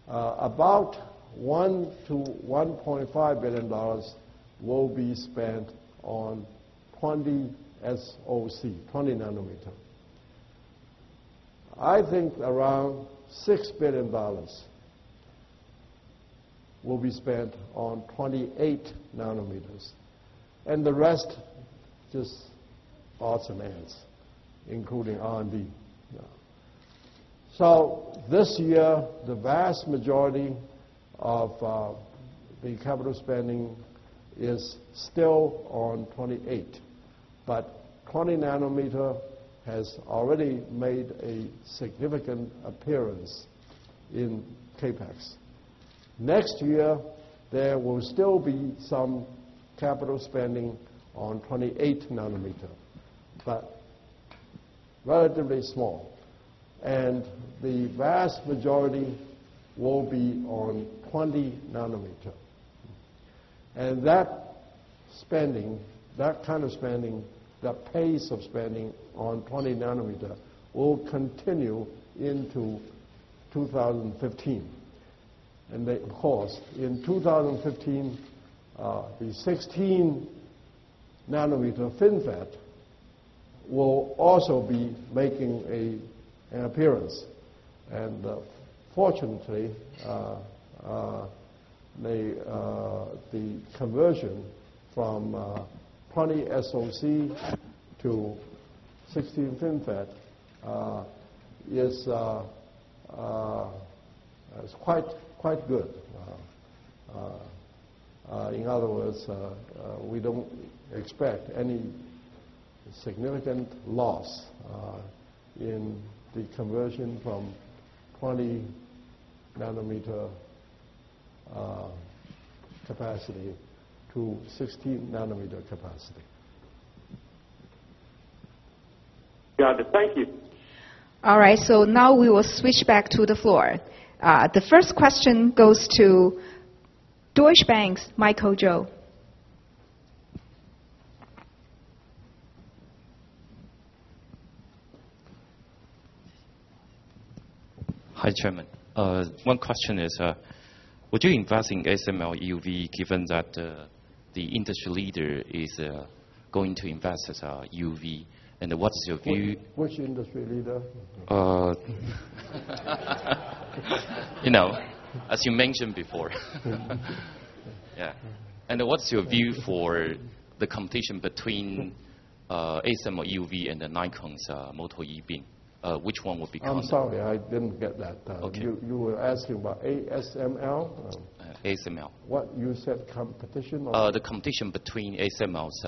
About $1 billion-$1.5 billion will be spent on 20SoC, 20 nanometer. I think around $6 billion will be spent on 28 nanometers, and the rest, just odds and ends, including R&D. This year, the vast majority of the capital spending is still on 28, but 20 nanometer has already made a significant appearance in CapEx. Next year, there will still be some capital spending on 28 nanometer, but relatively small, and the vast majority will be on 20 nanometer. That kind of spending, that pace of spending on 20 nanometer will continue into 2015. Of course, in 2015, the 16 nanometer FinFET will also be making an appearance. Fortunately, the conversion from 20SoC to 16 FinFET is quite good. In other words, we don't expect any significant loss in the conversion from 20 nanometer capacity to 16 nanometer capacity. Got it. Thank you. All right. Now we will switch back to the floor. The first question goes to Deutsche Bank's Michael Chou. Hi, Chairman. One question is, would you invest in ASML EUV, given that the industry leader is going to invest as a EUV? What's your view. Which industry leader? As you mentioned before. Yeah. What's your view for the competition between ASML EUV and Nikon's multi E-beam? Which one will become- I'm sorry, I didn't get that. Okay. You were asking about ASML? ASML. What you said competition or- The competition between ASML's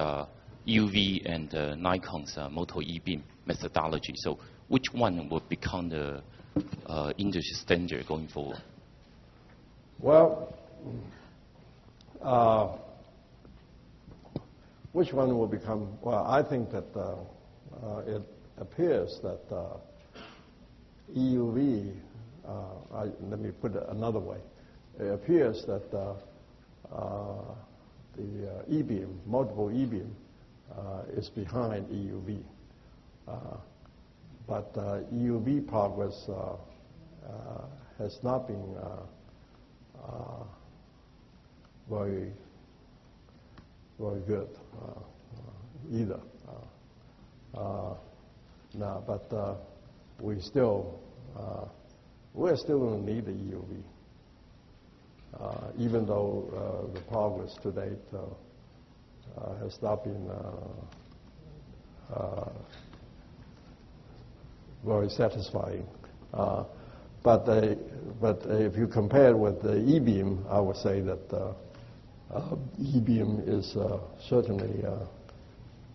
EUV and Nikon's multi E-beam methodology. Which one would become the industry standard going forward? Well, which one will become. Let me put it another way. It appears that the multi E-beam is behind EUV. EUV progress has not been very good either. We're still going to need the EUV even though the progress to date has not been very satisfying. If you compare it with the E-beam, I would say that E-beam is certainly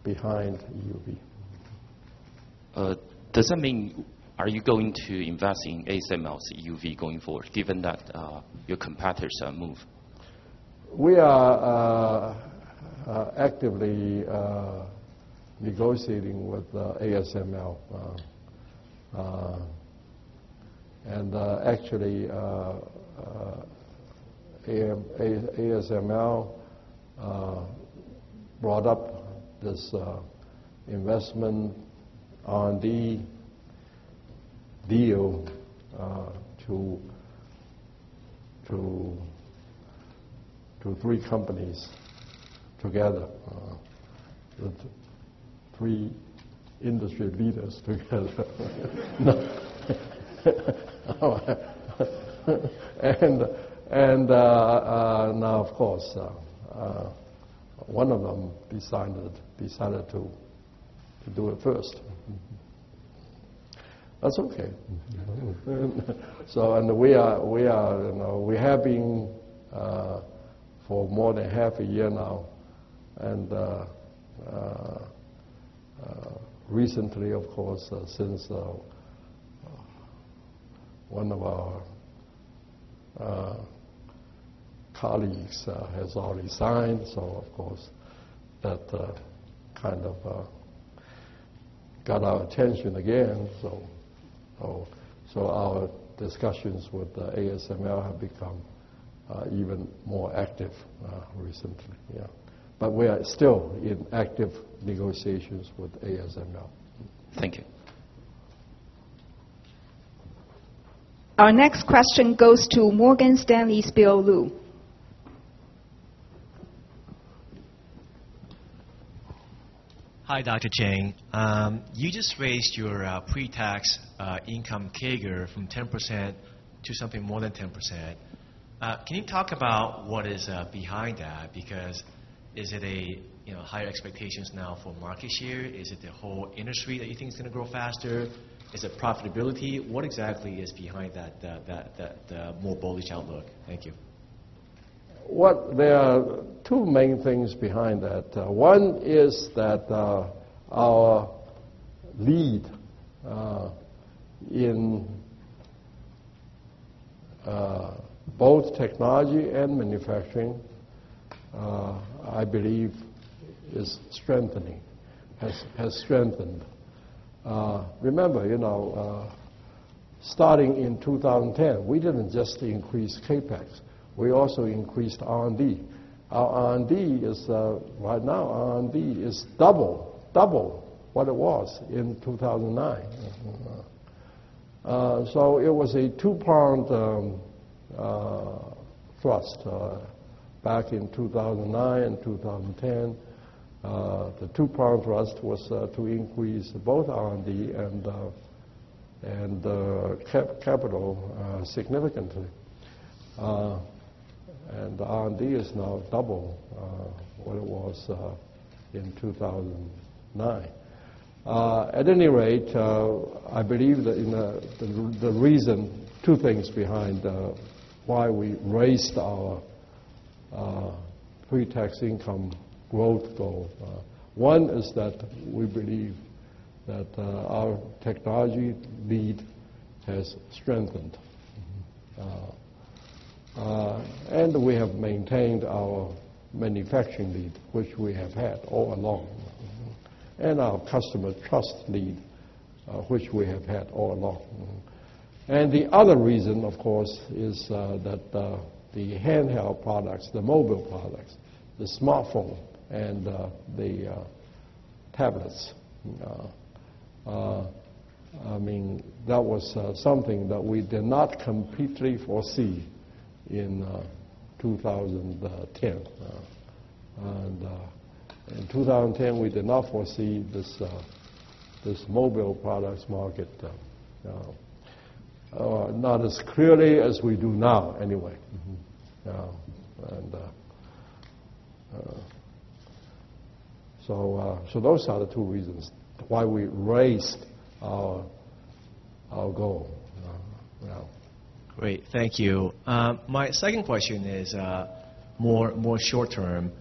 behind EUV. Does that mean, are you going to invest in ASML's EUV going forward given that your competitors move? We are actively negotiating with ASML. Actually, ASML brought up this investment R&D deal to three companies together, the three industry leaders together. Now, of course, one of them decided to do it first. That's okay. We have been for more than half a year now, and recently, of course, since one of our colleagues has already signed. Of course, that kind of got our attention again. Our discussions with ASML have become even more active recently. Yeah. We are still in active negotiations with ASML. Thank you. Our next question goes to Morgan Stanley's Bill Lu. Hi, Dr. Chiang. You just raised your pre-tax income CAGR from 10% to something more than 10%. Can you talk about what is behind that? Is it a higher expectations now for market share? Is it the whole industry that you think is going to grow faster? Is it profitability? What exactly is behind that more bullish outlook? Thank you. There are two main things behind that. One is that our lead in both technology and manufacturing, I believe is strengthening. Has strengthened. Remember, starting in 2010, we didn't just increase CapEx, we also increased R&D. Our R&D right now is double what it was in 2009. It was a two-pronged thrust back in 2009 and 2010. The two-pronged thrust was to increase both R&D and capital significantly. R&D is now double what it was in 2009. At any rate, I believe that the reason, two things behind why we raised our pre-tax income growth goal. One is that we believe that our technology lead has strengthened. We have maintained our manufacturing lead, which we have had all along. Our customer trust lead, which we have had all along. The other reason, of course, is that the handheld products, the mobile products, the smartphone, and the tablets. That was something that we did not completely foresee in 2010. In 2010, we did not foresee this mobile products market, not as clearly as we do now anyway. Those are the two reasons why we raised our goal. Great. Thank you. My second question is more short term.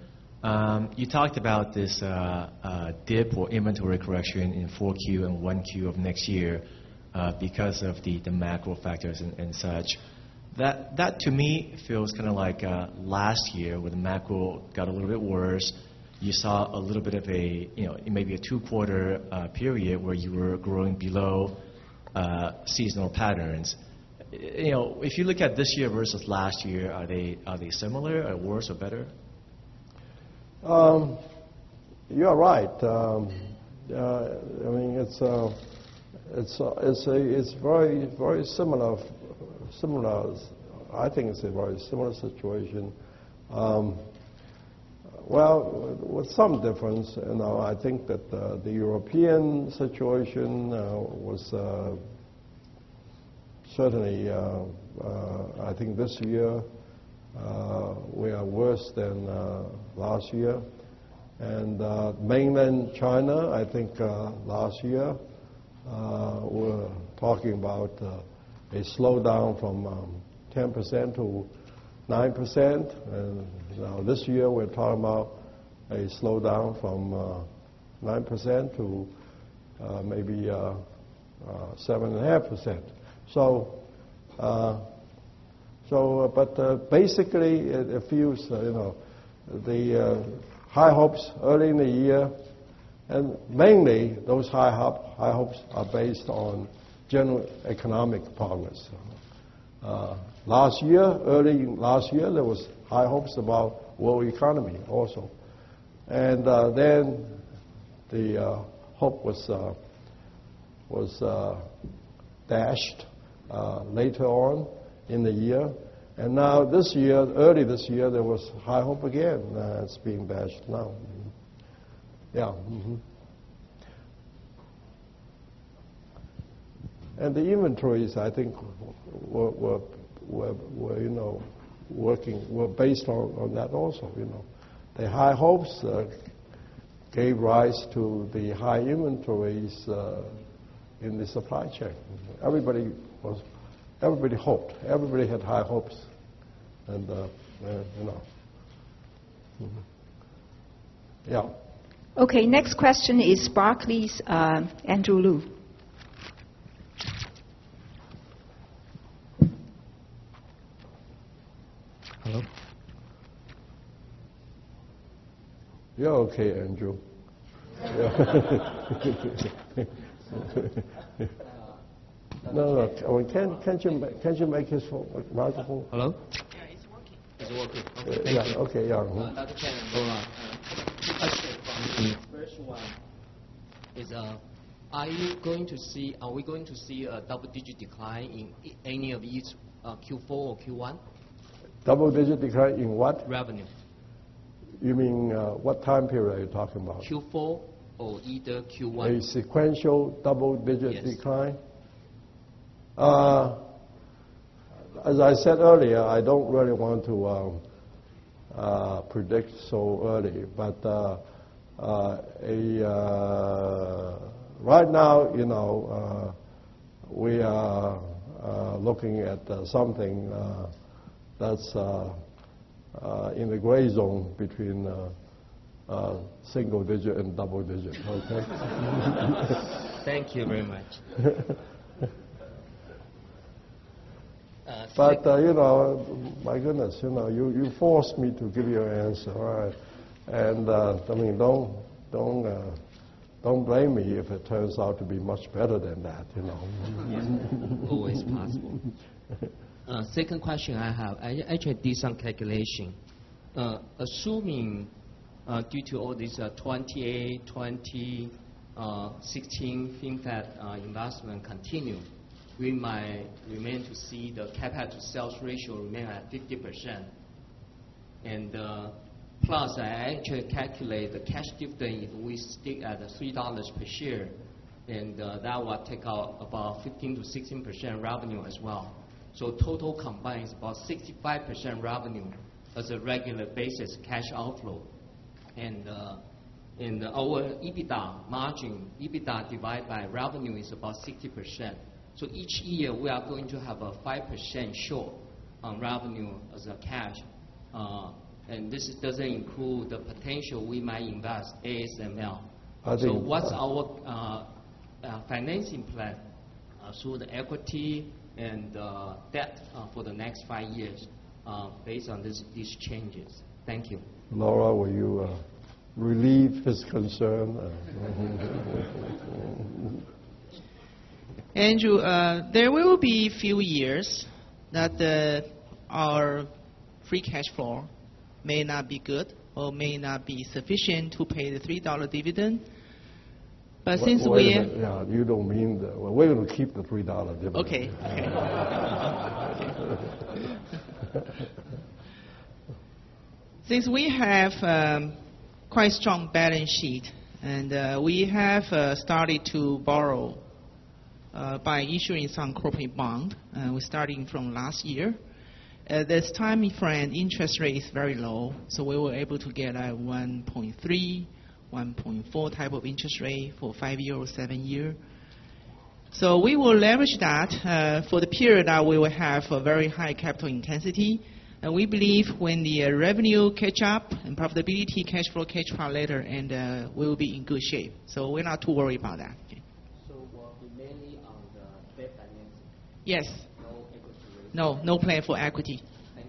You talked about this dip or inventory correction in 4Q and 1Q of next year because of the macro factors and such. That to me feels like last year when the macro got a little bit worse. You saw a little bit of maybe a two-quarter period where you were growing below seasonal patterns. If you look at this year versus last year, are they similar? Worse or better? You are right. It's very similar. I think it's a very similar situation. With some difference. I think that the European situation was certainly, I think this year we are worse than last year. Mainland China, I think, last year, we're talking about a slowdown from 10%-9%. Now this year, we're talking about a slowdown from 9%-7.5%. Basically, it fuels the high hopes early in the year, and mainly those high hopes are based on general economic progress. Early last year, there was high hopes about world economy also. Then the hope was dashed later on in the year. Now early this year, there was high hope again. It's being bashed now. Yeah. The inventories, I think were based on that also. The high hopes gave rise to the high inventories in the supply chain. Everybody hoped. Everybody had high hopes. Yeah. Okay, next question is Barclays, Andrew Lu. Hello You're okay, Andrew. No. Can't you make his microphone- Hello? Yeah, it's working. It's working. Okay. Yeah. Okay. Yeah. Dr. Chang and Lora, two questions. First one is, are we going to see a double-digit decline in any of each Q4 or Q1? Double-digit decline in what? Revenue. You mean, what time period are you talking about? Q4 or either Q1. A sequential double-digit- Yes decline? As I said earlier, I don't really want to predict so early. Right now, we are looking at something that's in the gray zone between single digit and double digit. Okay? Thank you very much. Thank you. My goodness, you forced me to give you an answer. All right. Don't blame me if it turns out to be much better than that. Yes. Always possible. Second question I have, I actually did some calculation. Assuming due to all these 20A, 20, 16nm FinFET investment continue, we might remain to see the capital sales ratio remain at 50%. Plus, I actually calculate the cash gifting, if we stick at the 3 dollars per share, that will take out about 15%-16% revenue as well. Total combined is about 65% revenue as a regular basis cash outflow. Our EBITDA margin, EBITDA divided by revenue is about 60%. Each year, we are going to have a 5% short on revenue as cash. This doesn't include the potential we might invest ASML. I see. What's our financing plan through the equity and debt for the next 5 years, based on these changes? Thank you. Lora, will you relieve his concern? Andrew, there will be few years that our free cash flow may not be good or may not be sufficient to pay the 3 dollar dividend. Since we have Yeah. We're going to keep the 3 dollar dividend. Okay. Since we have quite strong balance sheet, we have started to borrow by issuing some corporate bond, we're starting from last year. This time frame, interest rate is very low, so we were able to get a 1.3%, 1.4% type of interest rate for 5 year or 7 year. We will leverage that for the period that we will have a very high capital intensity. We believe when the revenue catch up and profitability, cash flow catch up later, and we will be in good shape. We're not too worried about that. Working mainly on the debt financing? Yes. No equity raising? No. No plan for equity. Thank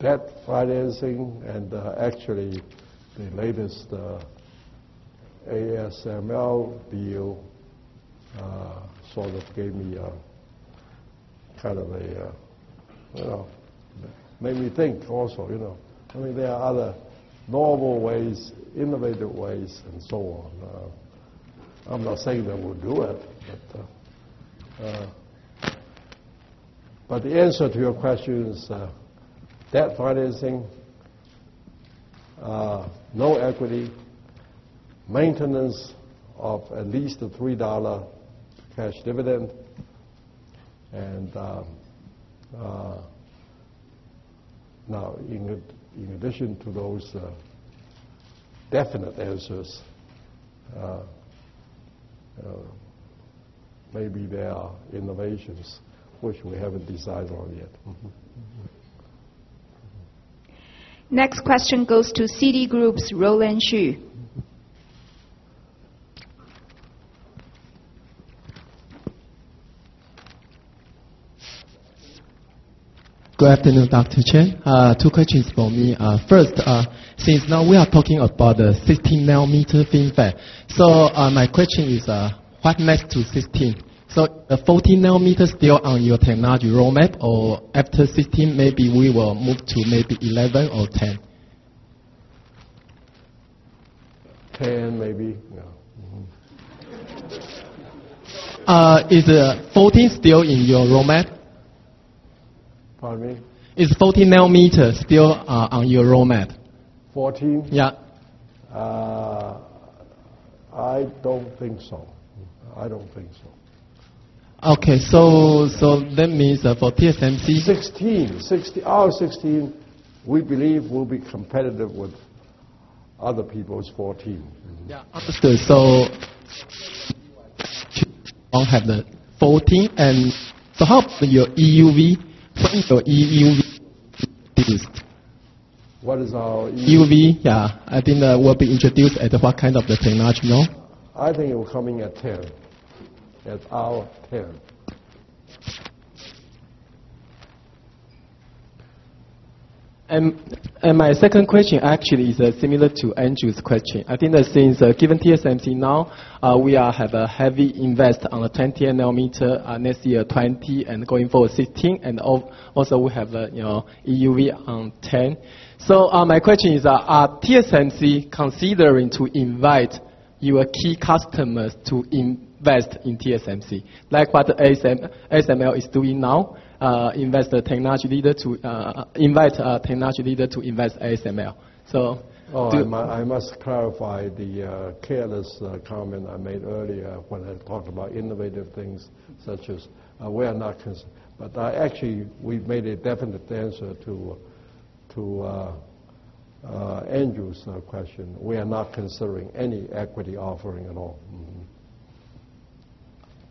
you. Debt financing actually the latest ASML deal sort of Made me think also. There are other novel ways, innovative ways, and so on. I'm not saying that we'll do it. The answer to your question is, debt financing, no equity, maintenance of at least a 3 dollar cash dividend. Now, in addition to those definite answers, maybe there are innovations which we haven't decided on yet. Next question goes to Citigroup's Roland Shu. Good afternoon, Dr. Chang. Two questions for me. First, since now we are talking about the 16-nanometer FinFET. My question is, what next to 16? The 14 nanometer still on your technology roadmap? Or after 16, maybe we will move to maybe 11 or 10? 10, maybe. No. Is 14 nanometer still in your roadmap? Pardon me? Is 14 nanometer still on your roadmap? 14? Yeah. I don't think so. Okay. That means for TSMC 16. Our 16, we believe, will be competitive with other people's 14. Mm-hmm. Yeah. Understood. Have the 14, and so how is your EUV? When is your EUV released? What is our EUV? EUV, yeah. I think that will be introduced as what kind of the technology? No? I think it will be coming at 10, as our 10. My second question actually is similar to Andrew's question. I think that since given TSMC now, we have a heavy invest on the 20 nanometer, next year 20 and going forward 16, and also we have EUV on 10. My question is, are TSMC considering to invite your key customers to invest in TSMC, like what ASML is doing now, invite a technology leader to invest ASML. Oh, I must clarify the careless comment I made earlier when I talked about innovative things such as we are not considering. Actually, we've made a definite answer to Andrew's question. We are not considering any equity offering at all.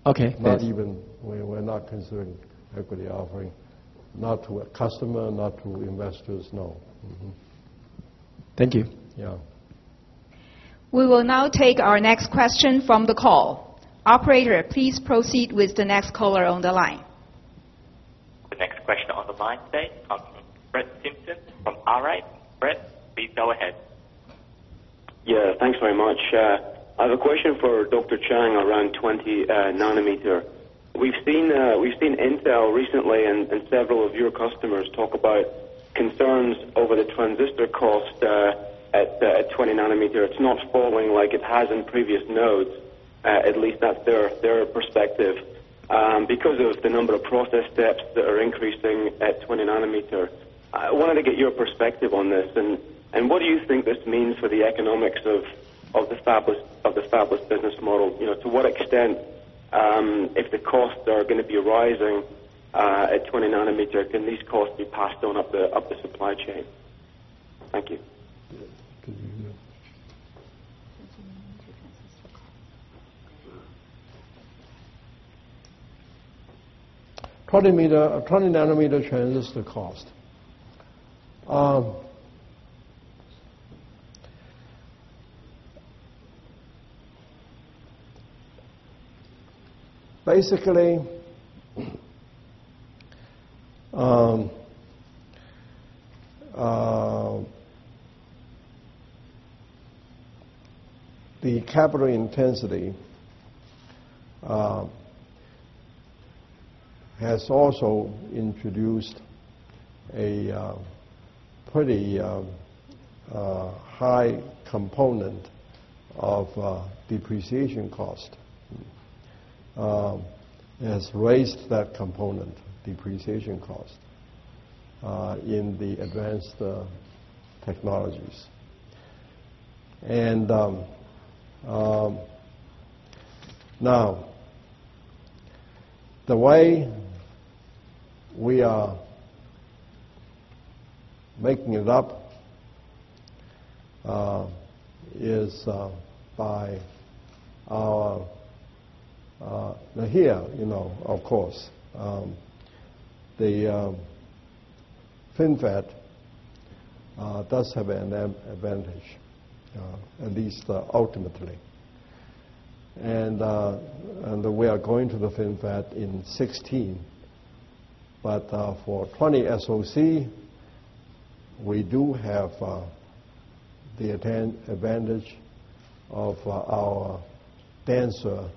Okay. We're not considering equity offering, not to a customer, not to investors, no. Thank you. Yeah. We will now take our next question from the call. Operator, please proceed with the next caller on the line. The next question on the line today comes from Brett Simpson from Arete Research. Brett, please go ahead. Yeah. Thanks very much. I have a question for Dr. Chang around 20 nanometer. We've seen Intel recently and several of your customers talk about concerns over the transistor cost at 20 nanometer. It's not falling like it has in previous nodes, at least that's their perspective. Because of the number of process steps that are increasing at 20 nanometer. I wanted to get your perspective on this. What do you think this means for the economics of the established business model? To what extent, if the costs are going to be rising at 20 nanometer, can these costs be passed on up the supply chain? Thank you. Yeah. Can you hear? 20 nanometer transistor cost. 20 nanometer transistor cost. 20 nanometer transistor cost. The capital intensity has also introduced a pretty high component of depreciation cost. It has raised that component, depreciation cost, in the advanced technologies. Now, here, of course, the FinFET does have an advantage, at least ultimately. We are going to the FinFET in 2016. For 20SoC, we do have the advantage of our denser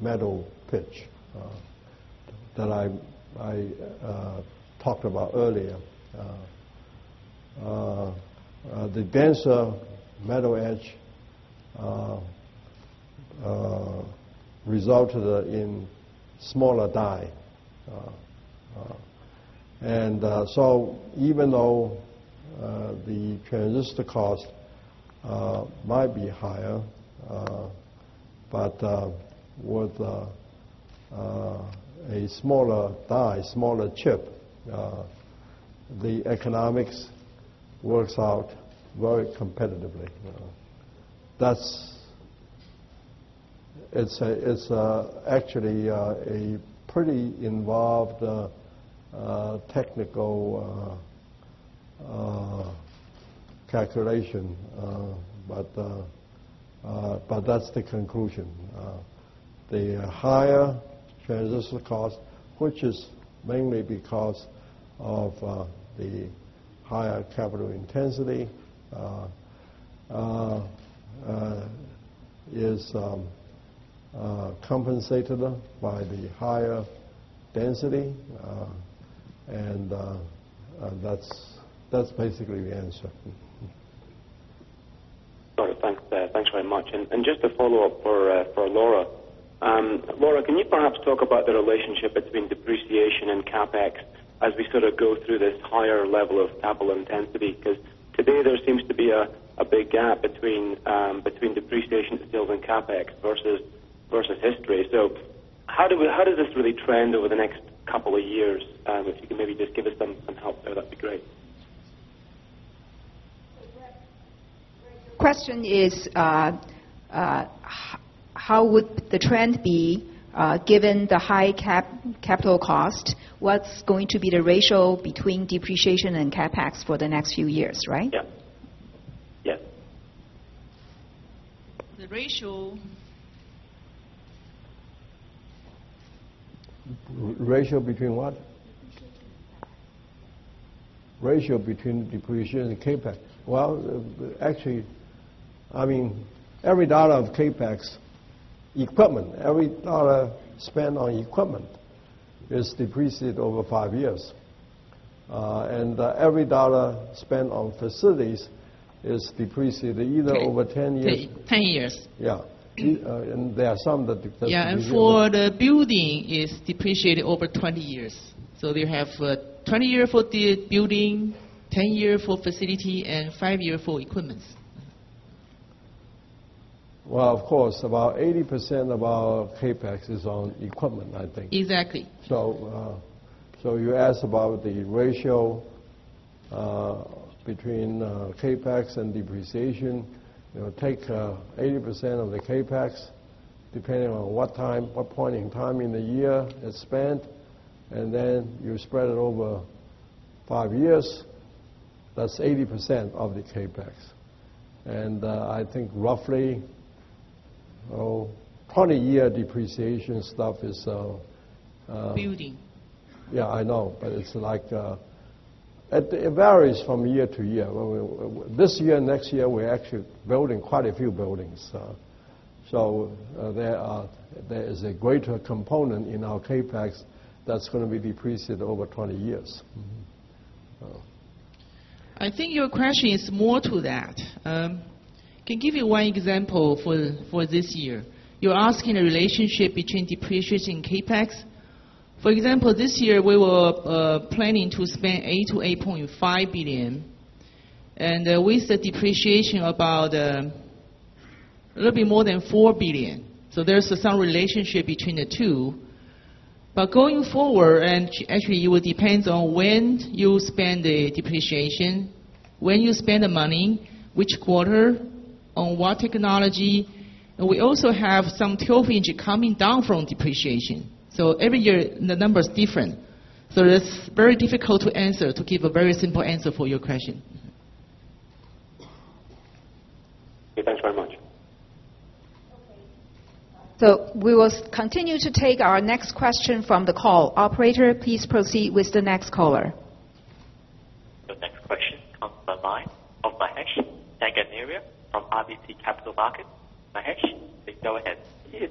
metal pitch that I talked about earlier. The denser metal pitch resulted in smaller die. Even though the transistor cost might be higher, with a smaller die, smaller chip, the economics works out very competitively. It's actually a pretty involved technical calculation. That's the conclusion. The higher transistor cost, which is mainly because of the higher capital intensity, is compensated by the higher density. That's basically the answer. Got it. Thanks. Thanks very much. Just a follow-up for Lora. Lora, can you perhaps talk about the relationship between depreciation and CapEx as we sort of go through this higher level of capital intensity? Today there seems to be a big gap between depreciation and CapEx versus history. How does this really trend over the next couple of years? If you can maybe just give us some help there, that'd be great. Brett, your question is, how would the trend be given the high capital cost? What's going to be the ratio between depreciation and CapEx for the next few years, right? Yeah. The ratio. Ratio between what? Depreciation and CapEx. Ratio between depreciation and CapEx. Well, actually, every dollar of CapEx equipment, every dollar spent on equipment is depreciated over five years. Every dollar spent on facilities is depreciated either over 10 years. 10 years. Yeah. There are some that because Yeah, for the building, it's depreciated over 20 years. They have 20 year for the building, 10 year for facility, and five year for equipment. Well, of course, about 80% of our CapEx is on equipment, I think. Exactly. You asked about the ratio between CapEx and depreciation. Take 80% of the CapEx, depending on what point in time in the year it's spent, then you spread it over five years. That's 80% of the CapEx. I think roughly 20 year depreciation stuff. Building. Yeah, I know. It varies from year to year. This year, next year, we're actually building quite a few buildings. There is a greater component in our CapEx that's going to be depreciated over 20 years. Mm-hmm. I think your question is more to that. I can give you one example for this year. You're asking the relationship between depreciation CapEx. For example, this year we were planning to spend $8 billion-$8.5 billion, with the depreciation about a little bit more than $4 billion. There's some relationship between the two. Going forward, actually it will depends on when you spend the depreciation, when you spend the money, which quarter, on what technology. We also have some 12 inch coming down from depreciation. Every year the number is different. That's very difficult to answer, to give a very simple answer for your question. Okay, thanks very much. Okay. We will continue to take our next question from the call. Operator, please proceed with the next caller. The next question comes from the line of Mahesh Thangamany from RBC Capital Markets. Mahesh, please go ahead. Yes.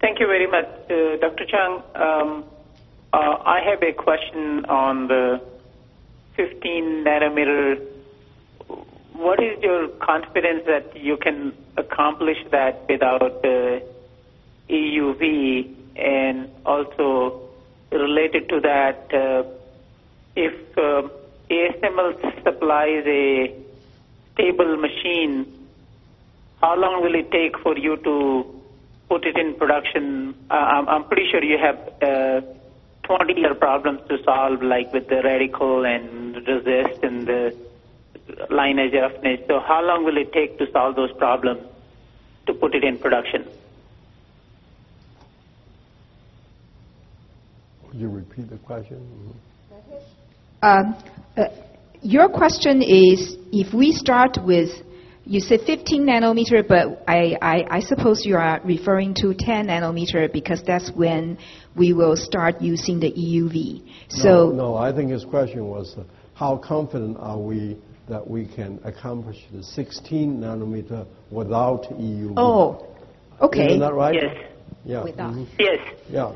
Thank you very much. Dr. Chang, I have a question on the 16 nanometer. What is your confidence that you can accomplish that without the EUV? Also related to that, if ASML supplies a stable machine, how long will it take for you to put it in production? I'm pretty sure you have 20-year problems to solve, like with the reticle, and the resist, and the line. How long will it take to solve those problems to put it in production? Could you repeat the question? Mahesh? Your question is, if we start with 16 nanometer, I suppose you are referring to 10 nm because that's when we will start using the EUV. I think his question was, how confident are we that we can accomplish the 16 nanometer without EUV. Oh, okay. Isn't that right? Yes. Without. Yes. Yeah.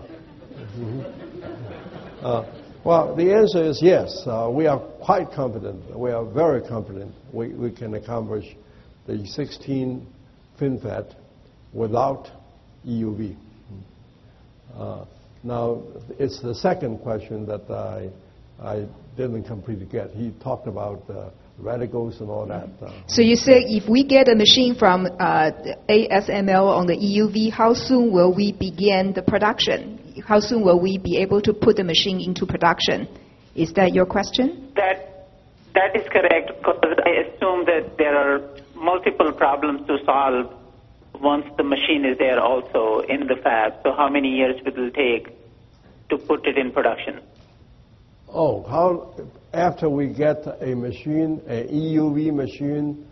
Mm-hmm. Well, the answer is yes. We are quite confident. We are very confident we can accomplish the 16 FinFET without EUV. Mm-hmm. Now, it's the second question that I didn't completely get. He talked about radicals and all that. you say, if we get a machine from ASML on the EUV, how soon will we begin the production? How soon will we be able to put the machine into production? Is that your question? That is correct, because I assume that there are multiple problems to solve once the machine is there also in the fab. how many years it will take to put it in production? after we get a machine, a EUV machine,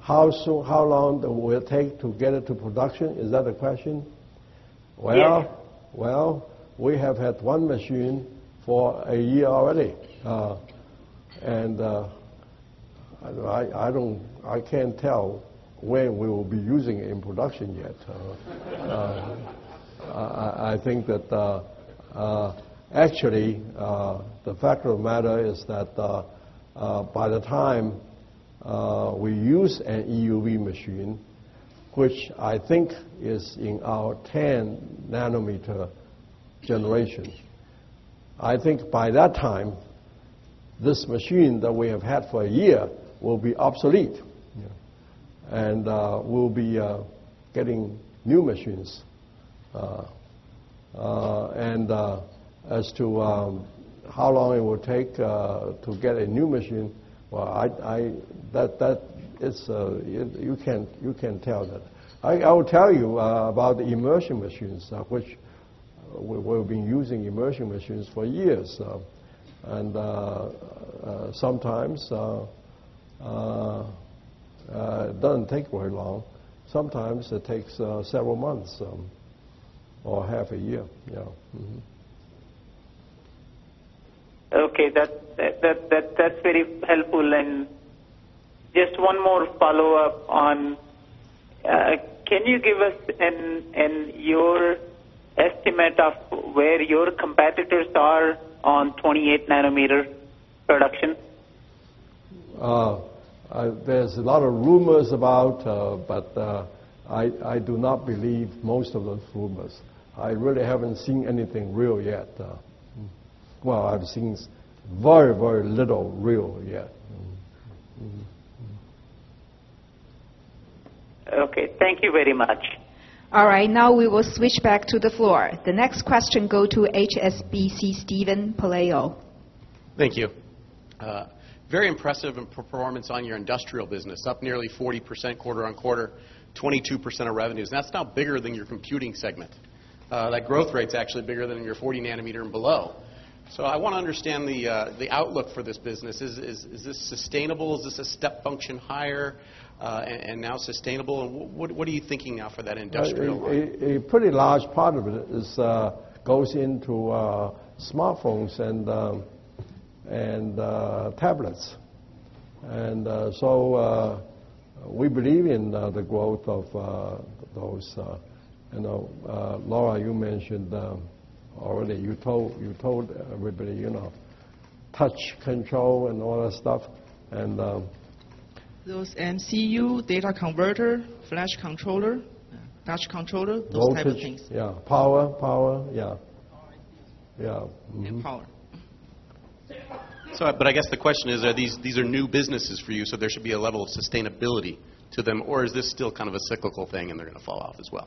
how long will it take to get it to production? Is that the question? Yes. Well, we have had one machine for a year already. I can't tell when we will be using it in production yet. I think that actually, the fact of the matter is that by the time we use an EUV machine, which I think is in our 10 nm generations, I think by that time, this machine that we have had for a year will be obsolete. Yeah. We'll be getting new machines. As to how long it will take to get a new machine, you can tell that. I will tell you about the immersion machines. We've been using immersion machines for years. Sometimes it doesn't take very long. Sometimes it takes several months or half a year. Okay. That's very helpful. Just one more follow-up on, can you give us your estimate of where your competitors are on 28 nanometer production? There's a lot of rumors about, but I do not believe most of those rumors. I really haven't seen anything real yet. Well, I've seen very little real yet. Okay. Thank you very much. All right. Now we will switch back to the floor. The next question go to HSBC, Steven Pelayo. Thank you. Very impressive performance on your industrial business, up nearly 40% quarter-on-quarter, 22% of revenues. That's now bigger than your computing segment. That growth rate's actually bigger than your 40 nm and below. I want to understand the outlook for this business. Is this sustainable? Is this a step function higher, and now sustainable? What are you thinking now for that industrial growth? A pretty large part of it goes into smartphones and tablets. We believe in the growth of those. Lora, you mentioned already, you told everybody touch control and all that stuff. Those MCU, data converter, flash controller, touch controller, those type of things. Voltage. Yeah. Power. Yeah. Power ICs. Yeah. Power. I guess the question is, these are new businesses for you, there should be a level of sustainability to them, or is this still a cyclical thing and they're going to fall off as well?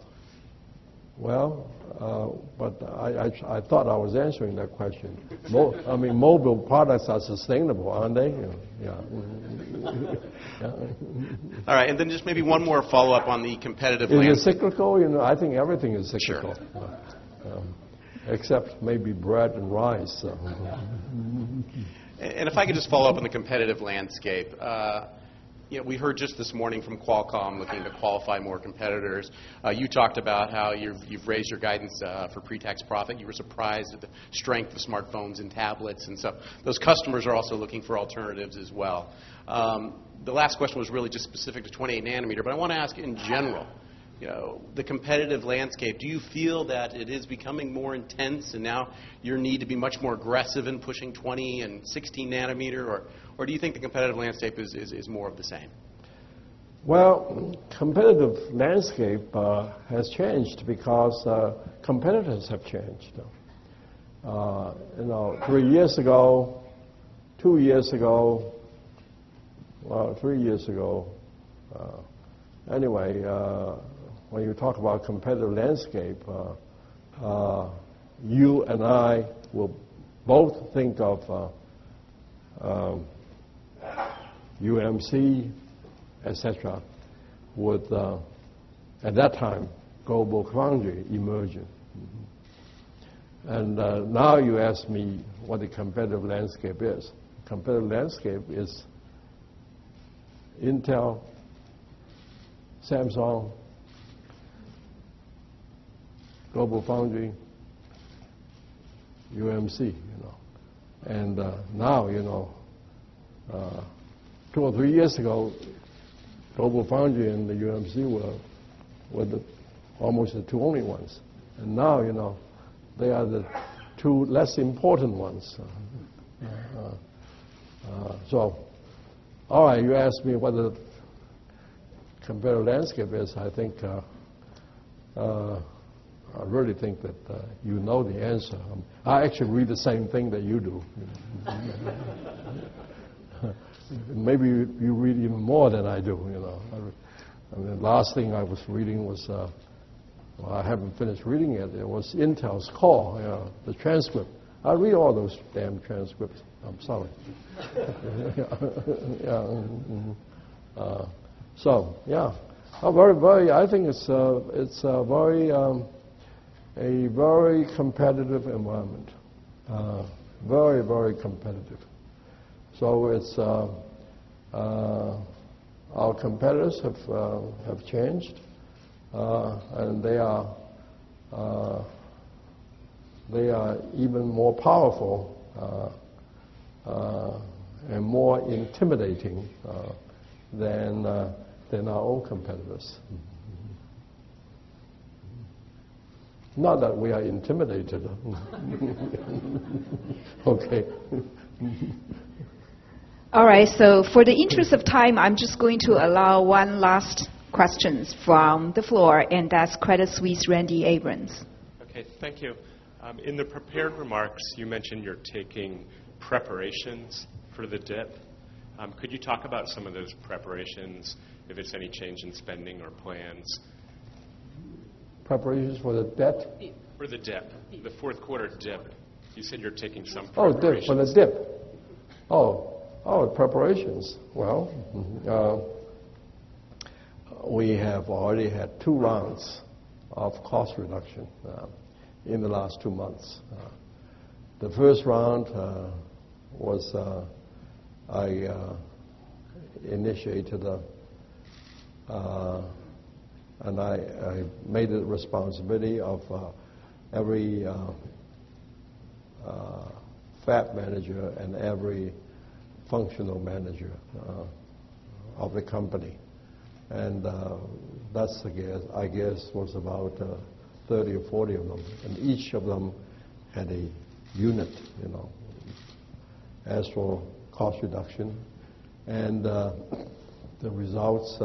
I thought I was answering that question. I mean, mobile products are sustainable, aren't they? Yeah. Just maybe one more follow-up on the competitive landscape. Is it cyclical? I think everything is cyclical. Sure. Except maybe bread and rice. If I could just follow up on the competitive landscape. We heard just this morning from Qualcomm looking to qualify more competitors. You talked about how you've raised your guidance for pre-tax profit. You were surprised at the strength of smartphones and tablets. Those customers are also looking for alternatives as well. The last question was really just specific to 28 nanometer, but I want to ask in general, the competitive landscape, do you feel that it is becoming more intense and now you need to be much more aggressive in pushing 20 and 16 nanometer? Or do you think the competitive landscape is more of the same? Competitive landscape has changed because competitors have changed. Three years ago, two years ago. Anyway, when you talk about competitive landscape, you and I will both think of UMC, et cetera, with, at that time, GlobalFoundries emerging. Now you ask me what the competitive landscape is. Competitive landscape is Intel, Samsung, GlobalFoundries, UMC. Now two or three years ago, GlobalFoundries and the UMC were almost the two only ones. Now they are the two less important ones. All right, you asked me what the competitive landscape is. I really think that you know the answer. I actually read the same thing that you do. Maybe you read even more than I do. I mean, last thing I was reading was. I haven't finished reading yet. It was Intel's call. The transcript. I read all those damn transcripts. I'm sorry. Yeah. Yeah. I think it's a very competitive environment. Very competitive. Our competitors have changed, and they are even more powerful and more intimidating than our own competitors. Not that we are intimidated. Okay. All right, for the interest of time, I'm just going to allow one last questions from the floor, and that's Credit Suisse, Randy Abrams. Okay, thank you. In the prepared remarks, you mentioned you're taking preparations for the dip. Could you talk about some of those preparations, if it's any change in spending or plans? Preparations for the debt? For the dip. The fourth quarter dip. You said you're taking some preparations. Preparations. We have already had two rounds of cost reduction in the last two months. The first round, I initiated and I made it responsibility of every fab manager and every functional manager of the company. That, I guess, was about 30 or 40 of them, and each of them had a unit as for cost reduction. The results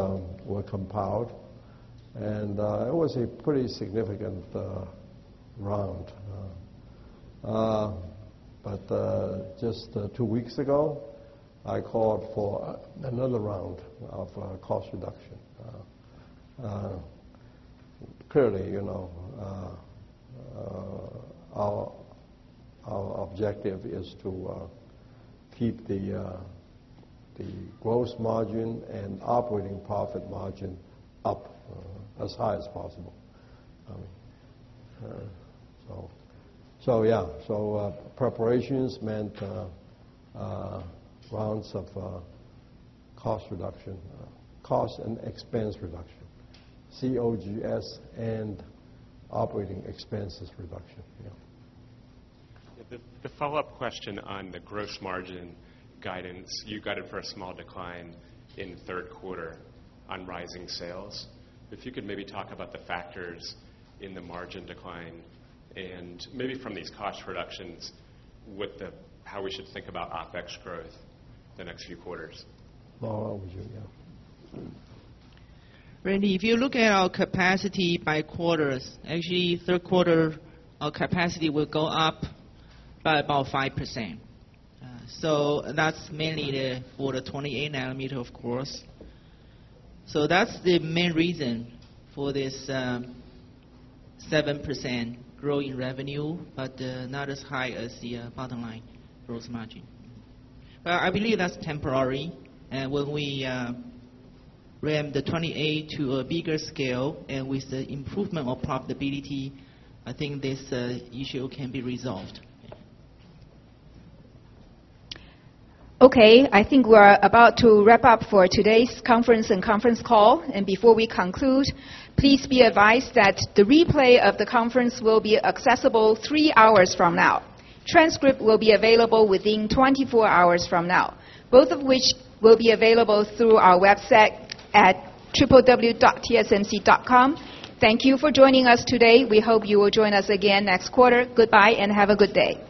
were compiled, and it was a pretty significant round. Just two weeks ago, I called for another round of cost reduction. Clearly, our objective is to keep the gross margin and operating profit margin up as high as possible. Preparations meant rounds of cost reduction, cost and expense reduction, COGS and operating expenses reduction. Yeah. The follow-up question on the gross margin guidance, you guided for a small decline in the third quarter on rising sales. If you could maybe talk about the factors in the margin decline and maybe from these cost reductions, how we should think about OpEx growth the next few quarters. Lora or Sun, yeah. Randy, if you look at our capacity by quarters, actually third quarter, our capacity will go up by about 5%. That's mainly for the 28 nanometer, of course. That's the main reason for this 7% growth in revenue, but not as high as the bottom line gross margin. I believe that's temporary, and when we ramp the 28 to a bigger scale and with the improvement of profitability, I think this issue can be resolved. Okay. I think we're about to wrap up for today's conference and conference call. Before we conclude, please be advised that the replay of the conference will be accessible three hours from now. Transcript will be available within 24 hours from now, both of which will be available through our website at www.tsmc.com. Thank you for joining us today. We hope you will join us again next quarter. Goodbye and have a good day.